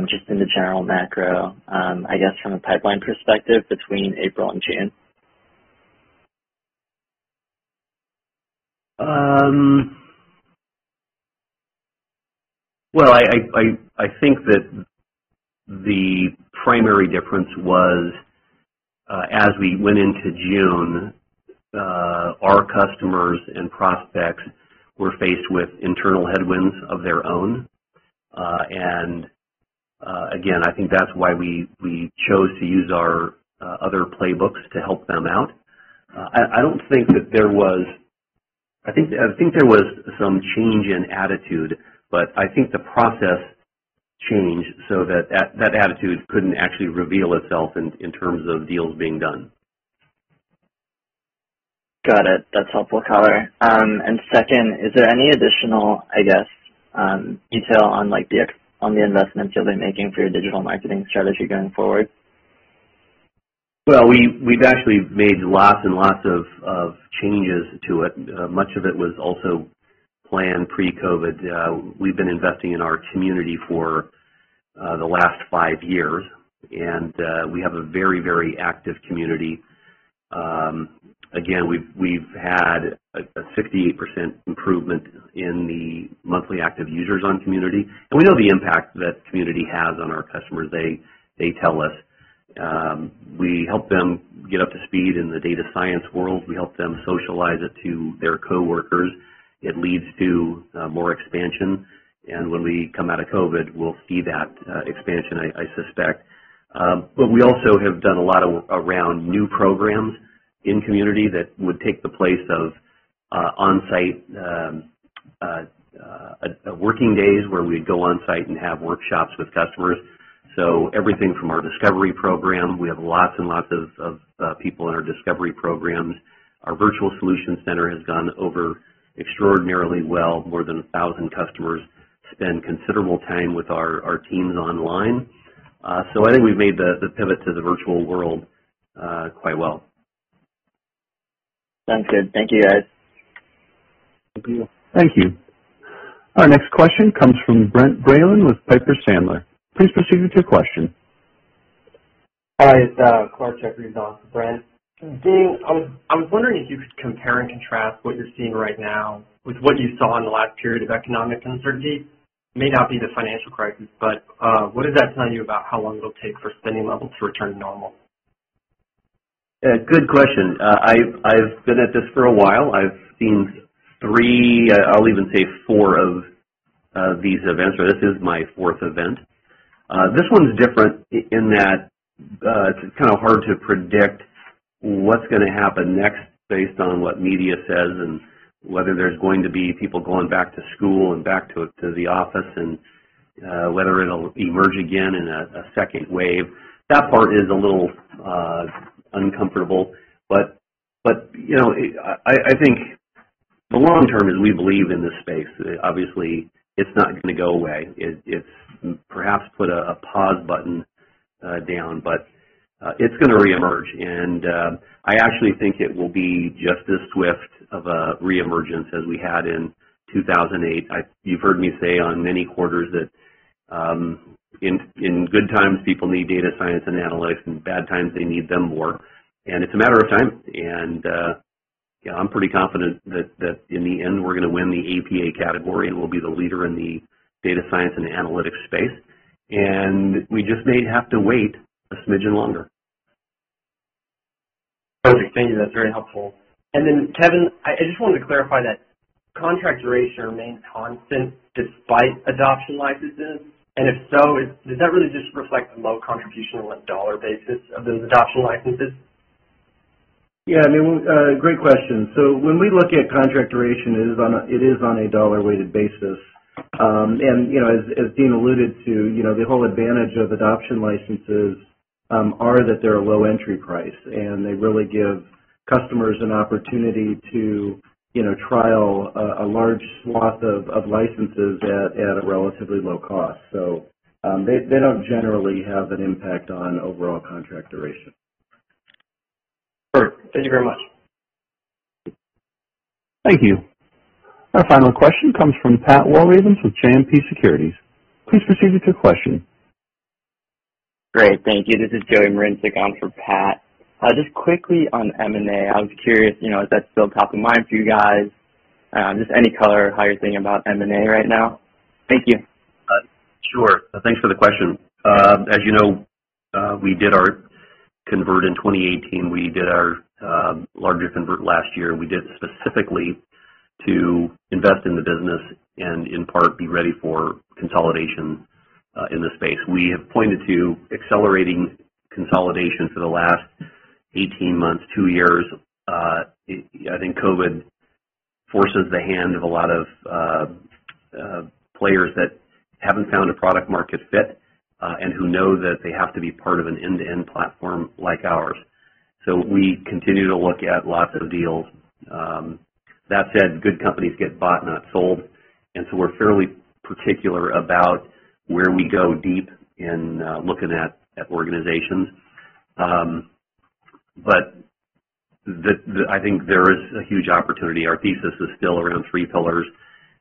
just in the general macro, I guess, from a pipeline perspective between April and June? Well, I think that the primary difference was, as we went into June, our customers and prospects were faced with internal headwinds of their own. Again, I think that's why we chose to use our other playbooks to help them out. I think there was some change in attitude, but I think the process changed so that attitude couldn't actually reveal itself in terms of deals being done. Got it. That's helpful color. Second, is there any additional, I guess, detail on the investments you'll be making for your digital marketing strategy going forward? Well, we've actually made lots and lots of changes to it. Much of it was also planned pre-COVID. We've been investing in our community for the last five years, and we have a very, very active community. Again, we've had a 68% improvement in the monthly active users on community. We know the impact that community has on our customers. They tell us. We help them get up to speed in the data science world. We help them socialize it to their coworkers. It leads to more expansion. When we come out of COVID, we'll see that expansion, I suspect. We also have done a lot around new programs in community that would take the place of on-site working days where we'd go on-site and have workshops with customers. Everything from our discovery program, we have lots and lots of people in our discovery programs. Our virtual solution center has gone over extraordinarily well. More than 1,000 customers spend considerable time with our teams online. I think we've made the pivot to the virtual world quite well. Sounds good. Thank you, guys. Thank you. Thank you. Our next question comes from Brent Bracelin with Piper Sandler. Please proceed with your question. Hi, it's Clarke Jeffries on for Brent. Dean, I was wondering if you could compare and contrast what you're seeing right now with what you saw in the last period of economic uncertainty. It may not be the financial crisis, but what does that tell you about how long it'll take for spending levels to return to normal? Good question. I've been at this for a while. I've seen three, I'll even say four of these events, or this is my fourth event. This one's different in that it's kind of hard to predict what's going to happen next based on what media says and whether there's going to be people going back to school and back to the office and whether it'll emerge again in a second wave. That part is a little uncomfortable. I think the long term is we believe in this space. Obviously, it's not going to go away. It's perhaps put a pause button Down, but it's going to reemerge, and I actually think it will be just as swift of a reemergence as we had in 2008. You've heard me say on many quarters that in good times, people need data science and analytics. In bad times, they need them more. It's a matter of time. I'm pretty confident that in the end, we're going to win the APA category, and we'll be the leader in the data science and analytics space, and we just may have to wait a smidgen longer. Perfect. Thank you. That's very helpful. Kevin, I just wanted to clarify that contract duration remains constant despite adoption licenses. If so, does that really just reflect the low contribution on a dollar basis of those adoption licenses? Yeah, great question. When we look at contract duration, it is on a dollar-weighted basis. As Dean alluded to, the whole advantage of adoption licenses are that they're a low entry price, and they really give customers an opportunity to trial a large swath of licenses at a relatively low cost. They don't generally have an impact on overall contract duration. Perfect. Thank you very much. Thank you. Our final question comes from Pat Walravens with JMP Securities. Please proceed with your question. Great. Thank you. This is Joey Marincek on for Pat. Just quickly on M&A, I was curious, is that still top of mind for you guys? Just any color how you're thinking about M&A right now. Thank you. Sure. Thanks for the question. As you know, we did our convert in 2018. We did our larger convert last year, and we did it specifically to invest in the business and in part be ready for consolidation in the space. We have pointed to accelerating consolidation for the last 18 months, two years. I think COVID forces the hand of a lot of players that haven't found a product market fit, and who know that they have to be part of an end-to-end platform like ours. We continue to look at lots of deals. That said, good companies get bought, not sold. We're fairly particular about where we go deep in looking at organizations. I think there is a huge opportunity. Our thesis is still around three pillars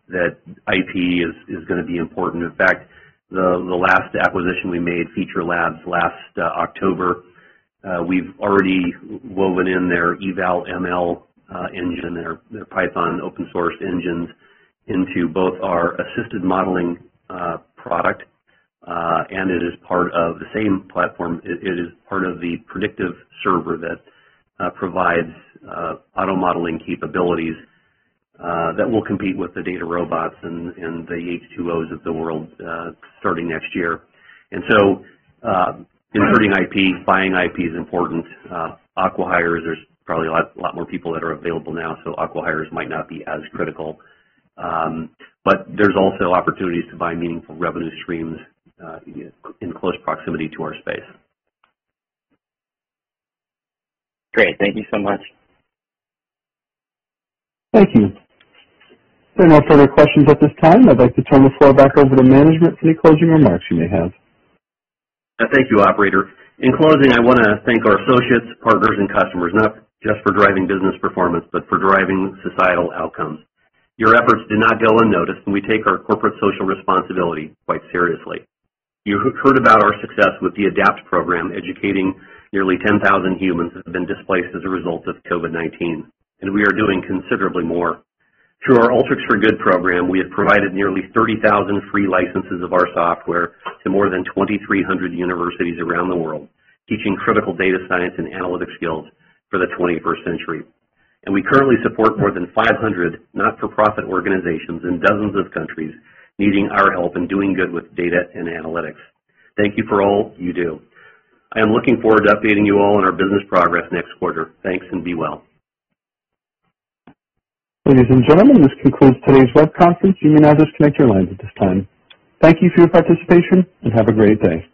that IP is going to be important. In fact, the last acquisition we made, Feature Labs last October, we've already woven in their EvalML engine, their Python open source engines into both our assisted modeling product. It is part of the same platform. It is part of the predictive server that provides auto modeling capabilities that will compete with the DataRobot and the H2O.ai of the world starting next year. Integrating IP, buying IP is important. Acquihires, there's probably a lot more people that are available now, so acquihires might not be as critical. There's also opportunities to buy meaningful revenue streams in close proximity to our space. Great. Thank you so much. Thank you. There are no further questions at this time. I'd like to turn the floor back over to management for any closing remarks you may have. Thank you, operator. In closing, I want to thank our associates, partners, and customers, not just for driving business performance, but for driving societal outcomes. Your efforts did not go unnoticed, and we take our corporate social responsibility quite seriously. You heard about our success with the ADAPT program, educating nearly 10,000 humans that have been displaced as a result of COVID-19. We are doing considerably more. Through our Alteryx for Good program, we have provided nearly 30,000 free licenses of our software to more than 2,300 universities around the world, teaching critical data science and analytics skills for the 21st century. We currently support more than 500 not-for-profit organizations in dozens of countries needing our help in doing good with data and analytics. Thank you for all you do. I am looking forward to updating you all on our business progress next quarter. Thanks and be well. Ladies and gentlemen, this concludes today's web conference. You may now disconnect your lines at this time. Thank you for your participation, and have a great day.